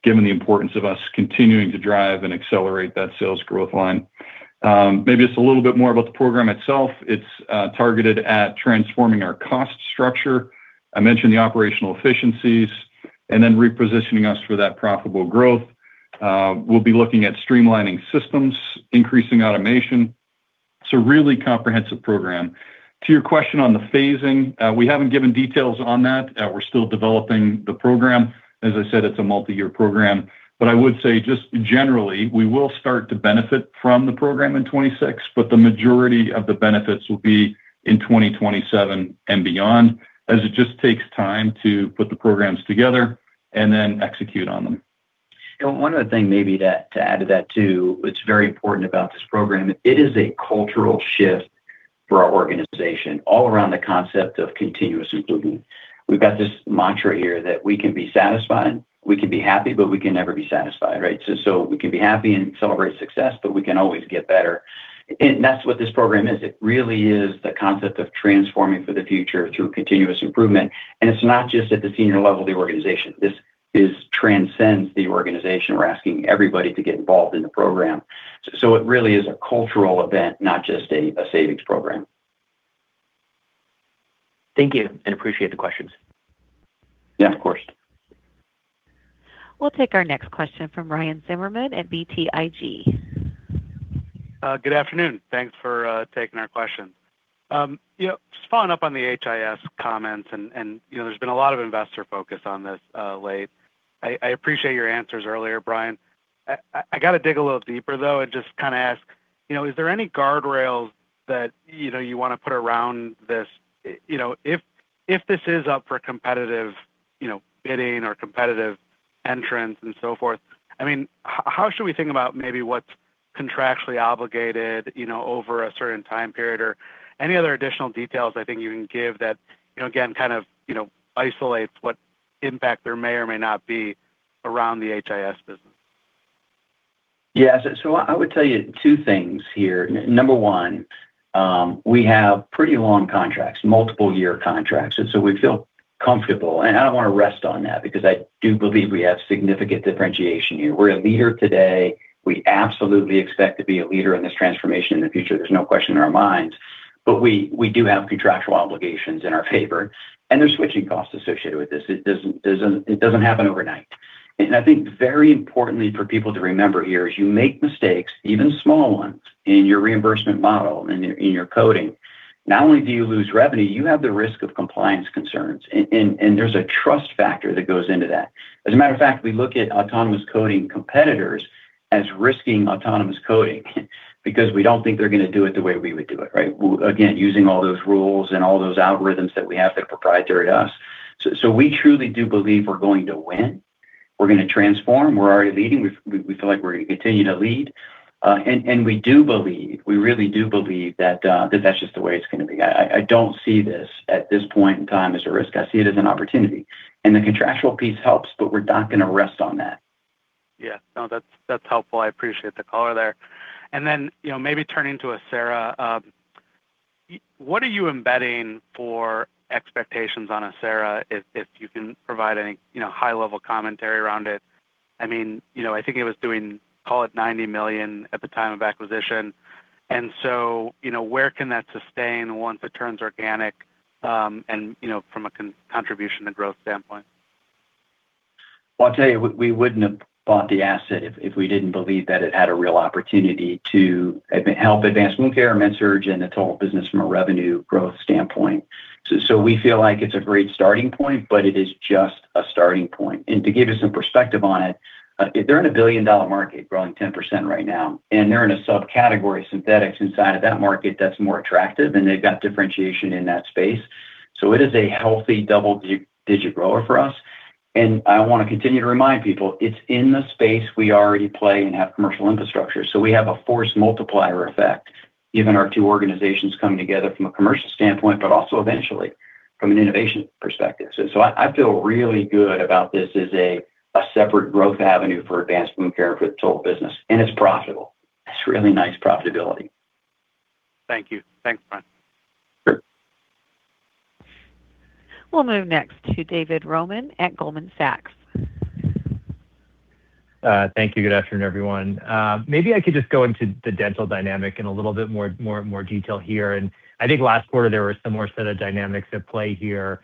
given the importance of us continuing to drive and accelerate that sales growth line. Just a little bit more about the program itself. It's targeted at transforming our cost structure. I mentioned the operational efficiencies and then repositioning us for that profitable growth. We'll be looking at streamlining systems, increasing automation. It's a really comprehensive program. To your question on the phasing, we haven't given details on that. We're still developing the program. As I said, it's a multi-year program. I would say just generally, we will start to benefit from the program in 2026, but the majority of the benefits will be in 2027 and beyond, as it just takes time to put the programs together and then execute on them. One other thing maybe that to add to that too, what's very important about this program. It is a cultural shift for our organization all around the concept of continuous improvement. We've got this mantra here that we can be satisfied. We can be happy, but we can never be satisfied, right? We can be happy and celebrate success, but we can always get better. That's what this program is. It really is the concept of transforming for the future through continuous improvement. It's not just at the senior level of the organization. This is transcends the organization. We're asking everybody to get involved in the program. It really is a cultural event, not just a savings program. Thank you, and appreciate the questions. Yeah, of course. We'll take our next question from Ryan Zimmerman at BTIG. Good afternoon. Thanks for taking our question. You know, just following up on the HIS comments and, you know, there's been a lot of investor focus on this late. I appreciate your answers earlier, Bryan. I gotta dig a little deeper, though, and just kinda ask, you know, is there any guardrails that, you know, you wanna put around this? You know, if this is up for competitive, you know, bidding or competitive entrants and so forth, I mean, how should we think about maybe what's contractually obligated, you know, over a certain time period or any other additional details I think you can give that, you know, again, kind of, you know, isolates what impact there may or may not be around the HIS business? Yeah. I would tell you two things here. Number one, we have pretty long contracts, multiple year contracts, and so we feel comfortable. I don't wanna rest on that because I do believe we have significant differentiation here. We're a leader today. We absolutely expect to be a leader in this transformation in the future. There's no question in our minds. We, we do have contractual obligations in our favor, and there's switching costs associated with this. It doesn't happen overnight. And I think very importantly for people to remember here is you make mistakes, even small ones in your reimbursement model and in your coding. Not only do you lose revenue, you have the risk of compliance concerns, and there's a trust factor that goes into that. As a matter of fact, we look at autonomous coding competitors as risking autonomous coding because we don't think they're gonna do it the way we would do it, right? Well, again, using all those rules and all those algorithms that we have that are proprietary to us. We truly do believe we're going to win, we're gonna transform. We're already leading. We feel like we're gonna continue to lead. We do believe, we really do believe that that's just the way it's gonna be. I don't see this at this point in time as a risk. I see it as an opportunity, and the contractual piece helps, but we're not gonna rest on that. Yeah, no, that's helpful. I appreciate the color there. You know, maybe turning to Acera. What are you embedding for expectations on Acera if you can provide any, you know, high level commentary around it? I mean, you know, I think it was doing, call it $90 million at the time of acquisition. You know, where can that sustain once it turns organic, and, you know, from a contribution to growth standpoint? Well, I'll tell you, we wouldn't have bought the asset if we didn't believe that it had a real opportunity to help advanced wound care and MedSurg and the total business from a revenue growth standpoint. We feel like it's a great starting point, but it is just a starting point. To give you some perspective on it, they're in a $1 billion market growing 10% right now, and they're in a subcategory synthetics inside of that market that's more attractive, and they've got differentiation in that space. It is a healthy double-digit grower for us. I want to continue to remind people, it's in the space we already play and have commercial infrastructure. We have a force multiplier effect, given our two organizations coming together from a commercial standpoint, also eventually from an innovation perspective. I feel really good about this as a separate growth avenue for advanced wound care for the total business. It's profitable. It's really nice profitability. Thank you. Thanks, Bryan. Sure. We'll move next to David Roman at Goldman Sachs. Thank you. Good afternoon, everyone. Maybe I could just go into the Dental dynamic in a little bit more detail here. I think last quarter there were some more set of dynamics at play here.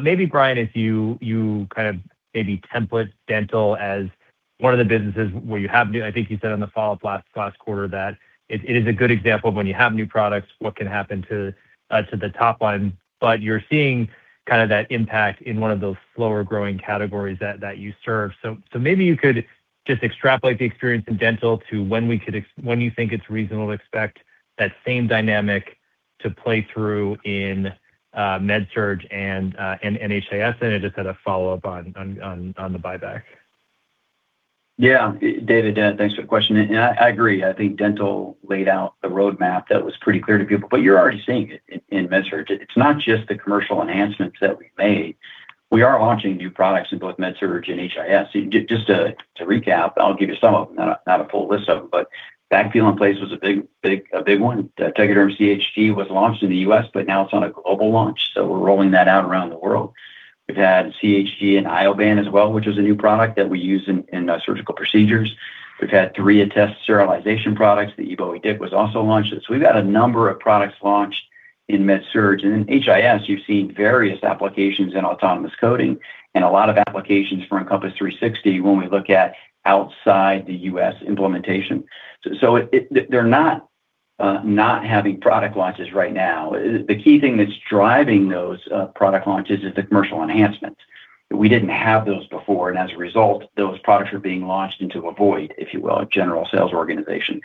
Maybe Bryan, if you kind of maybe template Dental as one of the businesses where you have I think you said on the follow-up last quarter that it is a good example of when you have new products, what can happen to the top line, but you're seeing kind of that impact in one of those slower growing categories that you serve. Maybe you could just extrapolate the experience in dental to when you think it's reasonable to expect that same dynamic to play through in MedSurg and HIS, and just sort of follow up on the buyback. Yeah. David, thanks for the question. I agree. I think dental laid out the roadmap that was pretty clear to people, but you're already seeing it in MedSurg. It's not just the commercial enhancements that we've made. We are launching new products in both MedSurg and HIS. Just to recap, I'll give you some of them, not a full list of them, but backfill in place was a big one. Tegaderm CHG was launched in the U.S., but now it's on a global launch, so we're rolling that out around the world. We've had CHG and Ioban as well, which is a new product that we use in surgical procedures. We've had three Attest sterilization products. The eBowie-Dick was also launched. We've had a number of products launched in MedSurg. In HIS, you've seen various applications in autonomous coding and a lot of applications from Encompass 360 when we look at outside the U.S. implementation. They're not having product launches right now. The key thing that's driving those product launches is the commercial enhancements. We didn't have those before, and as a result, those products are being launched into a void, if you will, a general sales organization.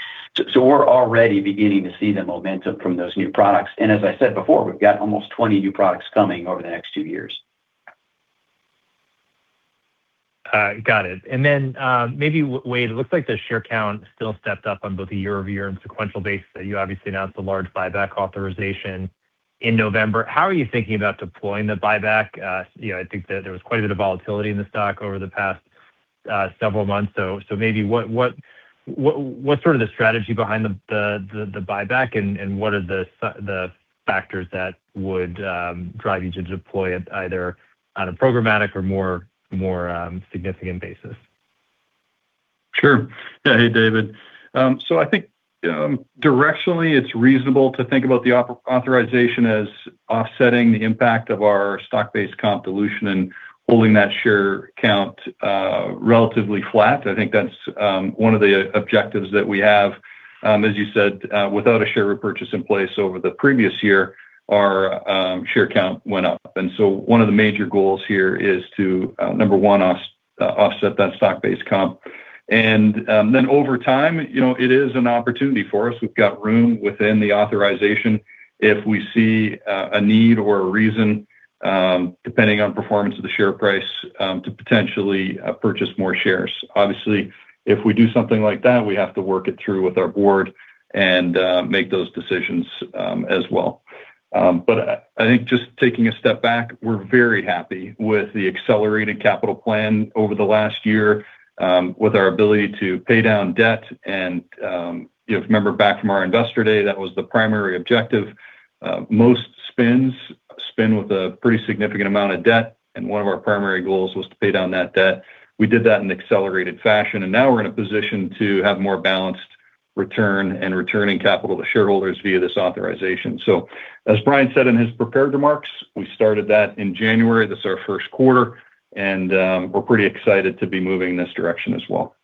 So we're already beginning to see the momentum from those new products. As I said before, we've got almost 20 new products coming over the next two years. Got it. Then, maybe Wayde, it looks like the share count still stepped up on both a year-over-year and sequential basis. You obviously announced a large buyback authorization in November. How are you thinking about deploying the buyback? You know, I think that there was quite a bit of volatility in the stock over the past several months. Maybe what's sort of the strategy behind the buyback and what are the factors that would drive you to deploy it either on a programmatic or more significant basis? Sure. Yeah. Hey, David. I think directionally it's reasonable to think about the authorization as offsetting the impact of our stock-based comp dilution and holding that share count relatively flat. I think that's one of the objectives that we have. As you said, without a share repurchase in place over the previous year, our share count went up. One of the major goals here is to number one, offset that stock-based comp. Over time, you know, it is an opportunity for us. We've got room within the authorization if we see a need or a reason, depending on performance of the share price, to potentially purchase more shares. Obviously, if we do something like that, we have to work it through with our board and make those decisions as well. I think just taking a step back, we're very happy with the accelerated capital plan over the last year, with our ability to pay down debt. You know, if you remember back from our investor day, that was the primary objective. Most spins spin with a pretty significant amount of debt, and one of our primary goals was to pay down that debt. We did that in accelerated fashion, and now we're in a position to have more balanced return and returning capital to shareholders via this authorization. As Bryan said in his prepared remarks, we started that in January. This is our first quarter, and we're pretty excited to be moving in this direction as well.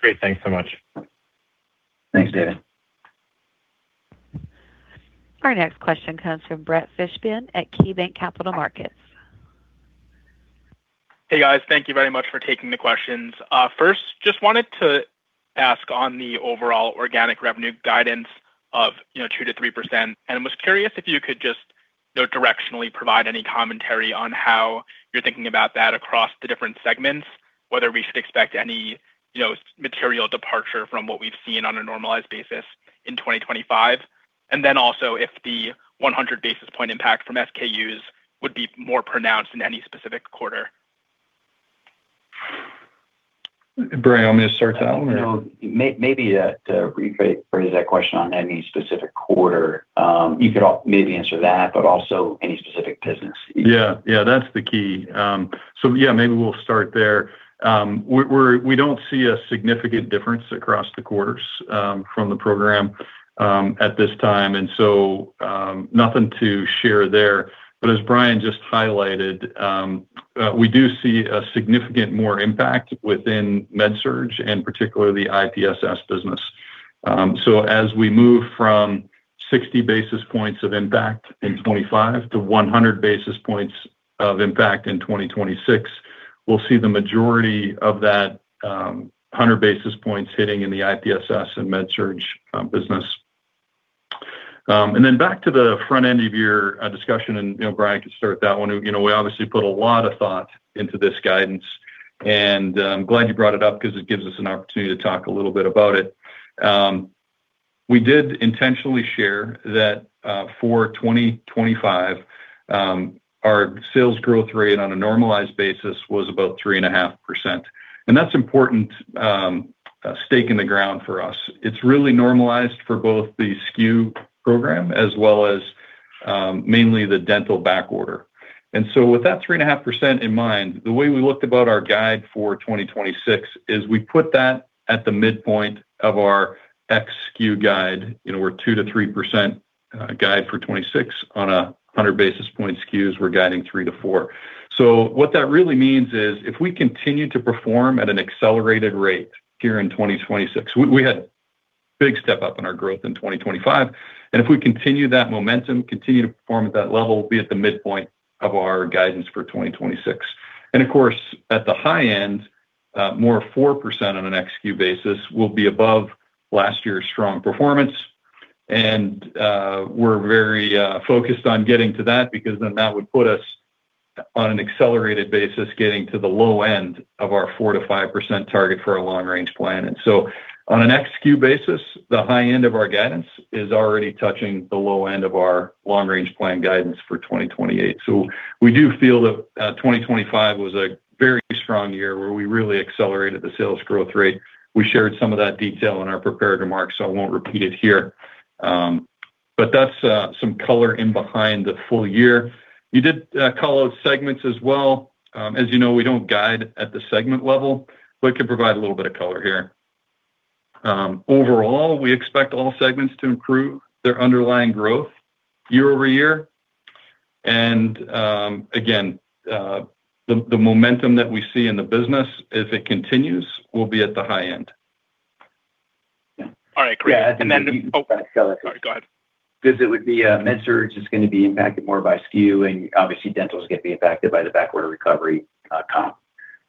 Great. Thanks so much. Thanks, David. Our next question comes from Brett Fishbin at KeyBanc Capital Markets. Hey, guys. Thank you very much for taking the questions. First, just wanted to ask on the overall organic revenue guidance of, you know, 2%-3%, and was curious if you could just, you know, directionally provide any commentary on how you're thinking about that across the different segments, whether we should expect any, you know, material departure from what we've seen on a normalized basis in 2025. Also if the 100 basis point impact from SKUs would be more pronounced in any specific quarter. Bryan, want me to start that one? You know, maybe, to rephrase that question on any specific quarter, you could maybe answer that, but also any specific business. Yeah. Yeah, that's the key. Yeah, maybe we'll start there. We don't see a significant difference across the quarters from the program at this time. Nothing to share there. As Bryan just highlighted, we do see a significant more impact within MedSurg and particularly the IPSS business. As we move from 60 basis points of impact in 2025 to 100 basis points of impact in 2026, we'll see the majority of that 100 basis points hitting in the IPSS and MedSurg business. Then back to the front end of your discussion, and, you know, Bryan can start that one. You know, we obviously put a lot of thought into this guidance. Glad you brought it up because it gives us an opportunity to talk a little bit about it. We did intentionally share that for 2025, our sales growth rate on a normalized basis was about 3.5%. That's important stake in the ground for us. It's really normalized for both the SKU program as well as mainly the dental backorder. With that 3.5% in mind, the way we looked about our guide for 2026 is we put that at the midpoint of our ex-SKU guide. You know, we're 2%-3% guide for 2026 on a 100 basis point SKUs, we're guiding 3%-4%. What that really means is if we continue to perform at an accelerated rate here in 2026, we had big step up in our growth in 2025, and if we continue that momentum, continue to perform at that level, be at the midpoint of our guidance for 2026. Of course, at the high end, more of 4% on an ex-SKU basis, will be above last year's strong performance. We're very focused on getting to that because then that would put us on an accelerated basis getting to the low end of our 4%-5% target for our long range plan. On an ex-SKU basis, the high end of our guidance is already touching the low end of our long range plan guidance for 2028. We do feel that 2025 was a very strong year where we really accelerated the sales growth rate. We shared some of that detail in our prepared remarks, so I won't repeat it here. That's some color in behind the full year. You did call out segments as well. As you know, we don't guide at the segment level, but we can provide a little bit of color here. Overall, we expect all segments to improve their underlying growth year-over-year. Again, the momentum that we see in the business, if it continues, will be at the high end. All right, great. Oh, sorry. Go ahead. 'Cause it would be, MedSurg is gonna be impacted more by SKU, and obviously Dental is gonna be impacted by the backorder recovery, comp.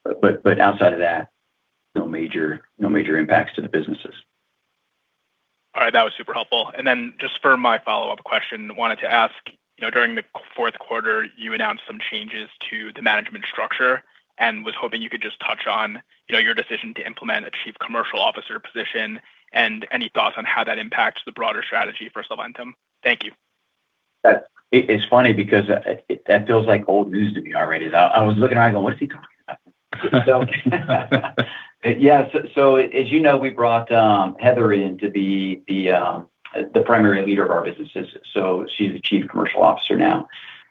Outside of that, no major impacts to the businesses. All right. That was super helpful. Just for my follow-up question, wanted to ask, you know, during the fourth quarter, you announced some changes to the management structure and was hoping you could just touch on, you know, your decision to implement a Chief Commercial Officer position and any thoughts on how that impacts the broader strategy for Solventum. Thank you. It's funny because that feels like old news to me already. I was looking around going, "What's he talking about?" Yeah. As you know, we brought Heather in to be the primary leader of our businesses. She's the Chief Commercial Officer now.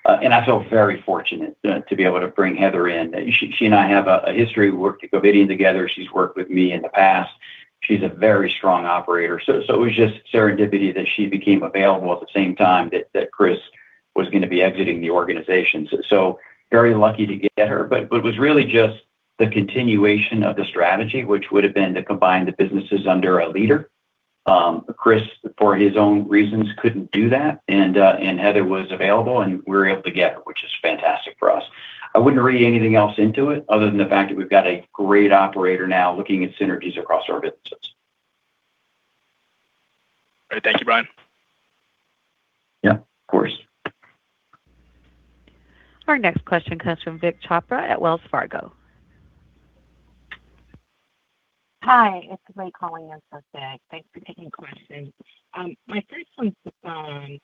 And I feel very fortunate to be able to bring Heather in. She and I have a history. We worked at Covidien together. She's worked with me in the past. She's a very strong operator. It was just serendipity that she became available at the same time that Chris was gonna be exiting the organization. Very lucky to get her. It was really just the continuation of the strategy, which would have been to combine the businesses under a leader. Chris, for his own reasons, couldn't do that. Heather was available, and we were able to get her, which is fantastic for us. I wouldn't read anything else into it other than the fact that we've got a great operator now looking at synergies across our businesses. All right. Thank you, Bryan. Yeah, of course. Our next question comes from Vik Chopra at Wells Fargo. Hi, it's Leah calling in for Vik. Thanks for taking the question. My first one's on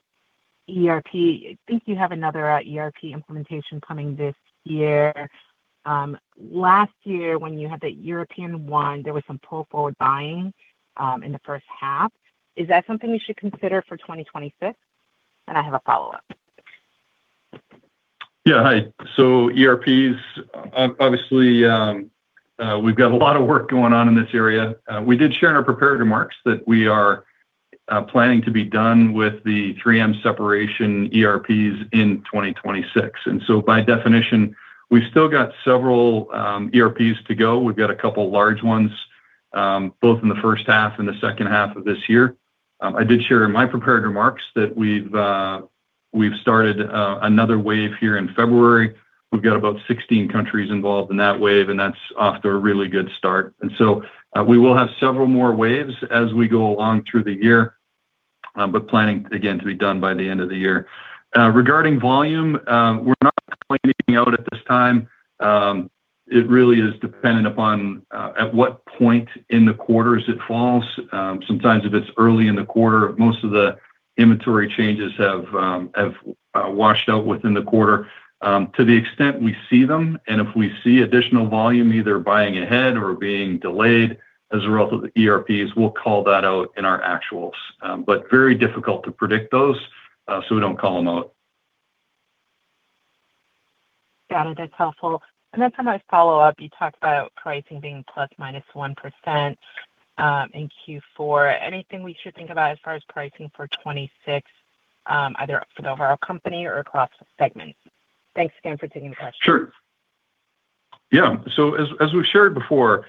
ERP. I think you have another ERP implementation coming this year. Last year when you had the European one, there was some pull-forward buying in the first half. Is that something we should consider for 2025? I have a follow-up. Yeah. Hi. ERPs, obviously, we've got a lot of work going on in this area. We did share in our prepared remarks that we are planning to be done with the 3M separation ERPs in 2026. By definition, we've still got several ERPs to go. We've got a couple large ones, both in the first half and the second half of this year. I did share in my prepared remarks that we've started another wave here in February. We've got about 16 countries involved in that wave, and that's off to a really good start. We will have several more waves as we go along through the year, but planning again to be done by the end of the year. Regarding volume, we're not planning anything out at this time. It really is dependent upon at what point in the quarters it falls. Sometimes if it's early in the quarter, most of the inventory changes have washed out within the quarter. To the extent we see them, and if we see additional volume either buying ahead or being delayed as a result of the ERPs, we'll call that out in our actuals. Very difficult to predict those, so we don't call them out. Got it. That's helpful. A nice follow-up. You talked about pricing being ±1% in Q4. Anything we should think about as far as pricing for 2026, either for the overall company or across segments? Thanks again for taking the question. Sure. Yeah. As, as we've shared before,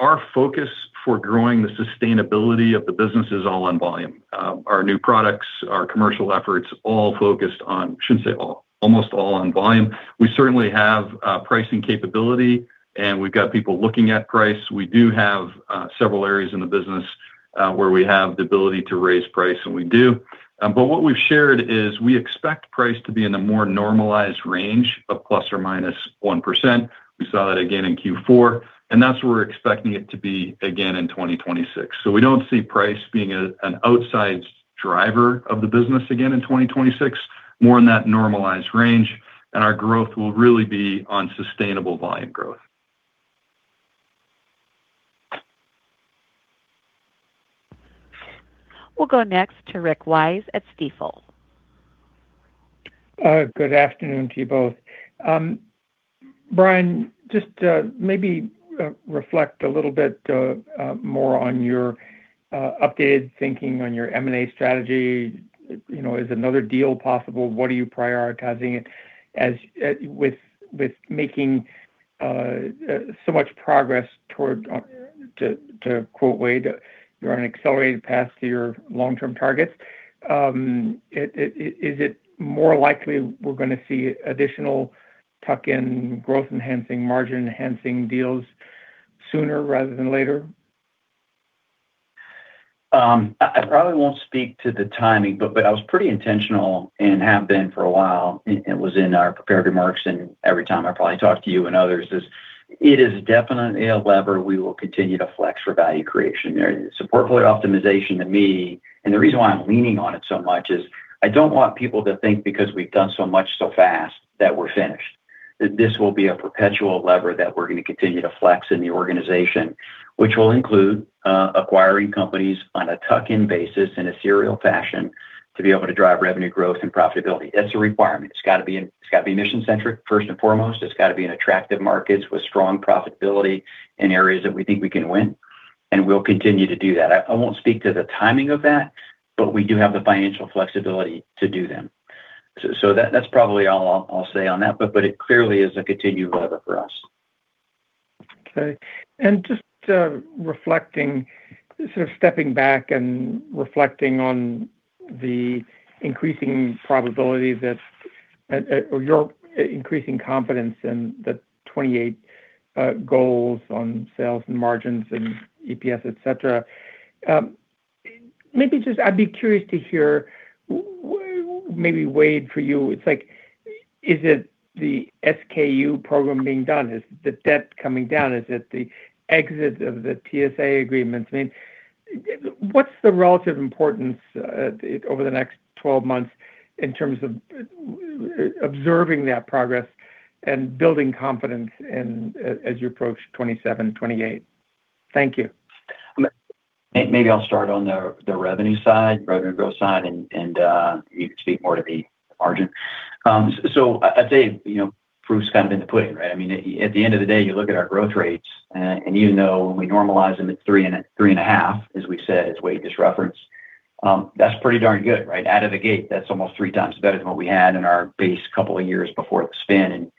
our focus for growing the sustainability of the business is all on volume. Our new products, our commercial efforts shouldn't say all, almost all on volume. We certainly have pricing capability, and we've got people looking at price. We do have several areas in the business where we have the ability to raise price, and we do. What we've shared is we expect price to be in a more normalized range of ±1%. We saw that again in Q4, and that's where we're expecting it to be again in 2026. We don't see price being an outsized driver of the business again in 2026, more in that normalized range, and our growth will really be on sustainable volume growth. We'll go next to Rick Wise at Stifel. Good afternoon to you both. Bryan, just maybe reflect a little bit more on your updated thinking on your M&A strategy. You know, is another deal possible? What are you prioritizing as with making so much progress on to quote Wayde, you're on an accelerated path to your long-term targets. Is it more likely we're gonna see additional tuck-in growth enhancing, margin enhancing deals sooner rather than later? I probably won't speak to the timing, but I was pretty intentional and have been for a while. It was in our prepared remarks, and every time I probably talk to you and others is it is definitely a lever we will continue to flex for value creation. Support for optimization to me, and the reason why I'm leaning on it so much is I don't want people to think because we've done so much so fast that we're finished. This will be a perpetual lever that we're gonna continue to flex in the organization, which will include acquiring companies on a tuck-in basis in a serial fashion to be able to drive revenue growth and profitability. That's a requirement. It's gotta be mission-centric, first and foremost. It's gotta be in attractive markets with strong profitability in areas that we think we can win, and we'll continue to do that. I won't speak to the timing of that, but we do have the financial flexibility to do them. That's probably all I'll say on that, but it clearly is a continued lever for us. Okay. Just reflecting, sort of stepping back and reflecting on the increasing probability that or your increasing confidence in the 2028 goals on sales and margins and EPS, et cetera. Maybe just I'd be curious to hear maybe Wade for you, it's like, is it the SKU program being done? Is the debt coming down? Is it the exit of the TSA agreements? I mean, what's the relative importance over the next 12 months in terms of observing that progress and building confidence in as you approach 2027, 2028? Thank you. Maybe I'll start on the revenue side, revenue growth side and you can speak more to the margin. I'd say, you know, proof's kind of in the pudding, right? I mean, at the end of the day, you look at our growth rates, and even though we normalize them at 3.5%, as we said, as Wayde just referenced, that's pretty darn good, right? Out of the gate, that's almost three times better than what we had in our base couple of years before the spin.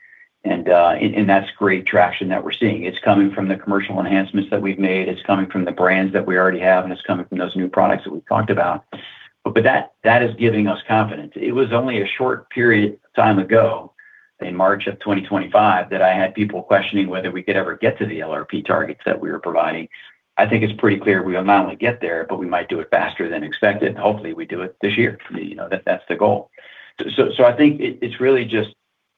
That's great traction that we're seeing. It's coming from the commercial enhancements that we've made. It's coming from the brands that we already have, and it's coming from those new products that we've talked about. That is giving us confidence. It was only a short period of time ago in March of 2025 that I had people questioning whether we could ever get to the LRP targets that we were providing. I think it's pretty clear we will not only get there, but we might do it faster than expected, and hopefully we do it this year. You know, that's the goal. I think it's really just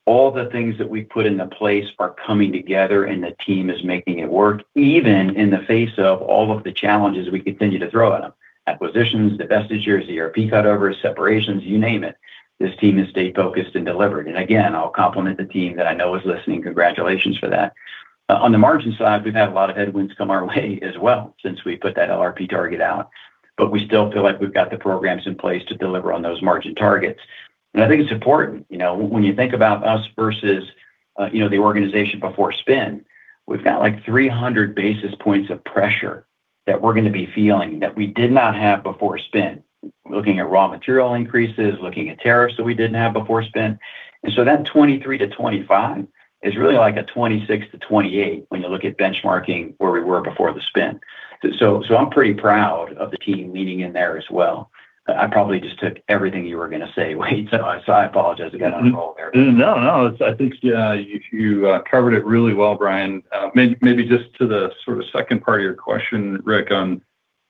all the things that we put into place are coming together, and the team is making it work, even in the face of all of the challenges we continue to throw at them. Acquisitions, divestitures, ERP cutovers, separations, you name it. This team has stayed focused and delivered. Again, I'll compliment the team that I know is listening. Congratulations for that. On the margin side, we've had a lot of headwinds come our way as well since we put that LRP target out. We still feel like we've got the programs in place to deliver on those margin targets. I think it's important, you know, when you think about us versus, you know, the organization before spin, we've got, like, 300 basis points of pressure that we're gonna be feeling that we did not have before spin. Looking at raw material increases, looking at tariffs that we didn't have before spin. That 23%-25% is really like a 26%-28% when you look at benchmarking where we were before the spin. I'm pretty proud of the team leaning in there as well. I probably just took everything you were gonna say, Wayde, so I apologize again. No, no. I think you covered it really well, Bryan. Maybe just to the sort of second part of your question, Rick, on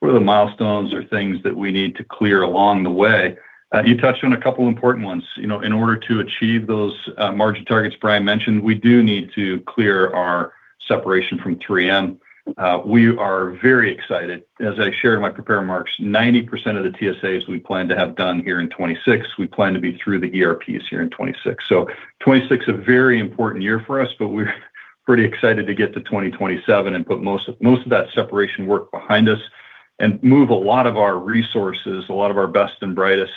what are the milestones or things that we need to clear along the way. You touched on a couple of important ones. You know, in order to achieve those margin targets Bryan mentioned, we do need to clear our separation from 3M. We are very excited. As I shared in my prepared remarks, 90% of the TSAs we plan to have done here in 2026. We plan to be through the ERPs here in 2026. 2026, a very important year for us, but we're pretty excited to get to 2027 and put most of that separation work behind us and move a lot of our resources, a lot of our best and brightest,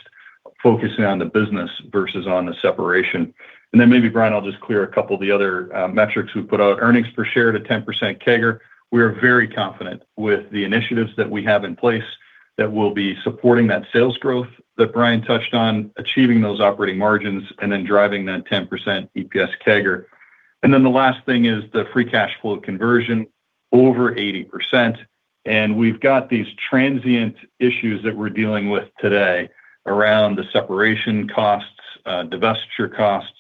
focusing on the business versus on the separation. Maybe, Bryan, I'll just clear a couple of the other metrics we put out. Earnings per share at a 10% CAGR. We are very confident with the initiatives that we have in place that will be supporting that sales growth that Bryan touched on, achieving those operating margins, and then driving that 10% EPS CAGR. The last thing is the free cash flow conversion, over 80%. We've got these transient issues that we're dealing with today around the separation costs, divestiture costs.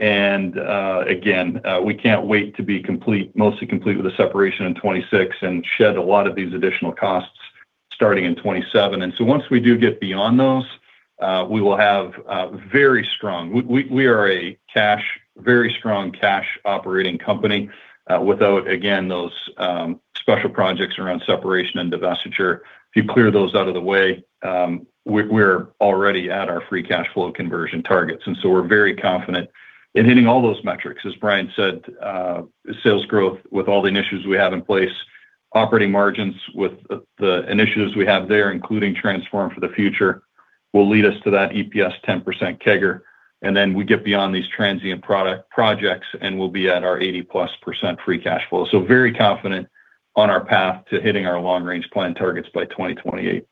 Again, we can't wait to be mostly complete with the separation in 2026 and shed a lot of these additional costs starting in 2027. Once we do get beyond those, we are a very strong cash operating company, without, again, those special projects around separation and divestiture. If you clear those out of the way, we're already at our free cash flow conversion targets, and so we're very confident in hitting all those metrics. As Bryan said, sales growth with all the initiatives we have in place, operating margins with the initiatives we have there, including Transform for the Future, will lead us to that EPS 10% CAGR. Then we get beyond these transient projects, and we'll be at our 80%+ free cash flow very confident on our path to hitting our long-range plan targets by 2028.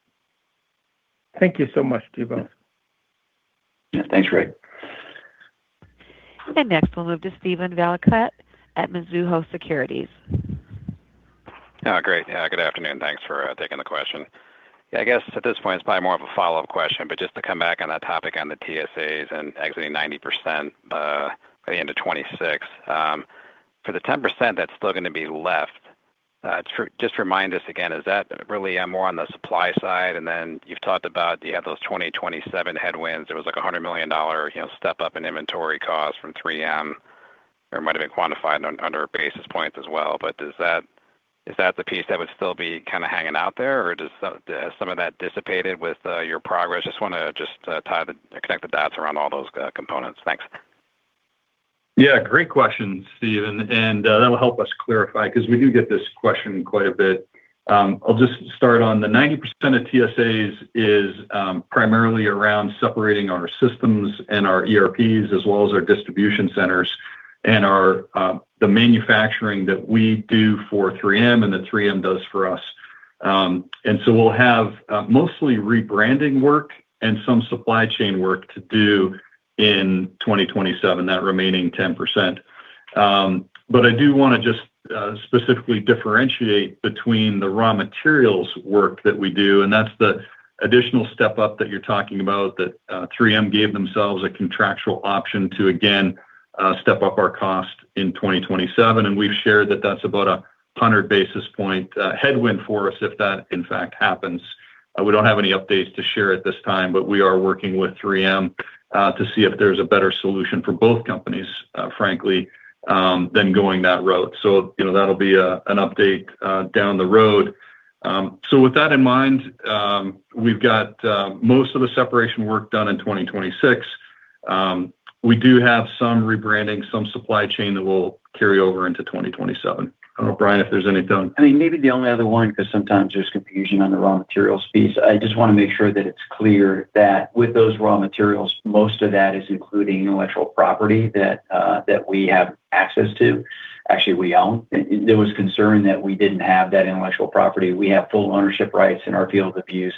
Thank you so much, you both. Yeah. Thanks, Rick. Next we'll move to Steven Valiquette at Mizuho Securities. Great. Good afternoon. Thanks for taking the question. I guess at this point it's probably more of a follow-up question, just to come back on that topic on the TSAs and exiting 90% by the end of 2026. For the 10% that's still gonna be left, just remind us again, is that really more on the supply side? You've talked about you have those 2027 headwinds. There was like a $100 million, you know, step up in inventory costs from 3M, or it might have been quantified under basis points as well. Is that the piece that would still be kinda hanging out there, or has some of that dissipated with your progress? Just wanna connect the dots around all those components. Thanks. Great question, Steven, that'll help us clarify 'cause we do get this question quite a bit. I'll just start on the 90% of TSAs is primarily around separating our systems and our ERPs as well as our distribution centers and our the manufacturing that we do for 3M and that 3M does for us. We'll have mostly rebranding work and some supply chain work to do in 2027, that remaining 10%. I do wanna just specifically differentiate between the raw materials work that we do, and that's the additional step-up that you're talking about, that 3M gave themselves a contractual option to again step up our cost in 2027. We've shared that that's about a 100 basis point headwind for us if that in fact happens. We don't have any updates to share at this time. We are working with 3M to see if there's a better solution for both companies, frankly, than going that route. You know, that'll be an update down the road. With that in mind, we've got most of the separation work done in 2026. We do have some rebranding, some supply chain that will carry over into 2027. I don't know, Bryan, if there's any. I mean, maybe the only other one, 'cause sometimes there's confusion on the raw materials piece. I just wanna make sure that it's clear that with those raw materials, most of that is including intellectual property that we have access to, actually, we own. There was concern that we didn't have that intellectual property. We have full ownership rights in our field of use,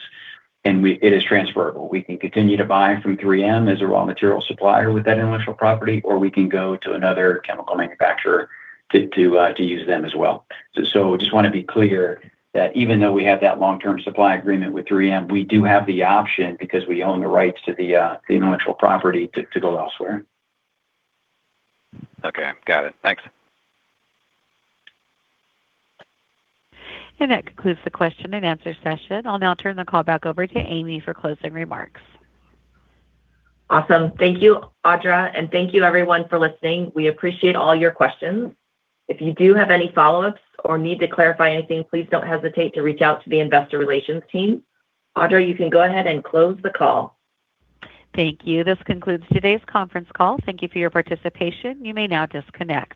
and it is transferable. We can continue to buy from 3M as a raw material supplier with that intellectual property, or we can go to another chemical manufacturer to use them as well. So just wanna be clear that even though we have that long-term supply agreement with 3M, we do have the option because we own the rights to the intellectual property to go elsewhere. Okay. Got it. Thanks. That concludes the question and answer session. I'll now turn the call back over to Amy for closing remarks. Awesome. Thank you, Audra. Thank you everyone for listening. We appreciate all your questions. If you do have any follow-ups or need to clarify anything, please don't hesitate to reach out to the investor relations team. Audra, you can go ahead and close the call. Thank you. This concludes today's conference call. Thank you for your participation. You may now disconnect.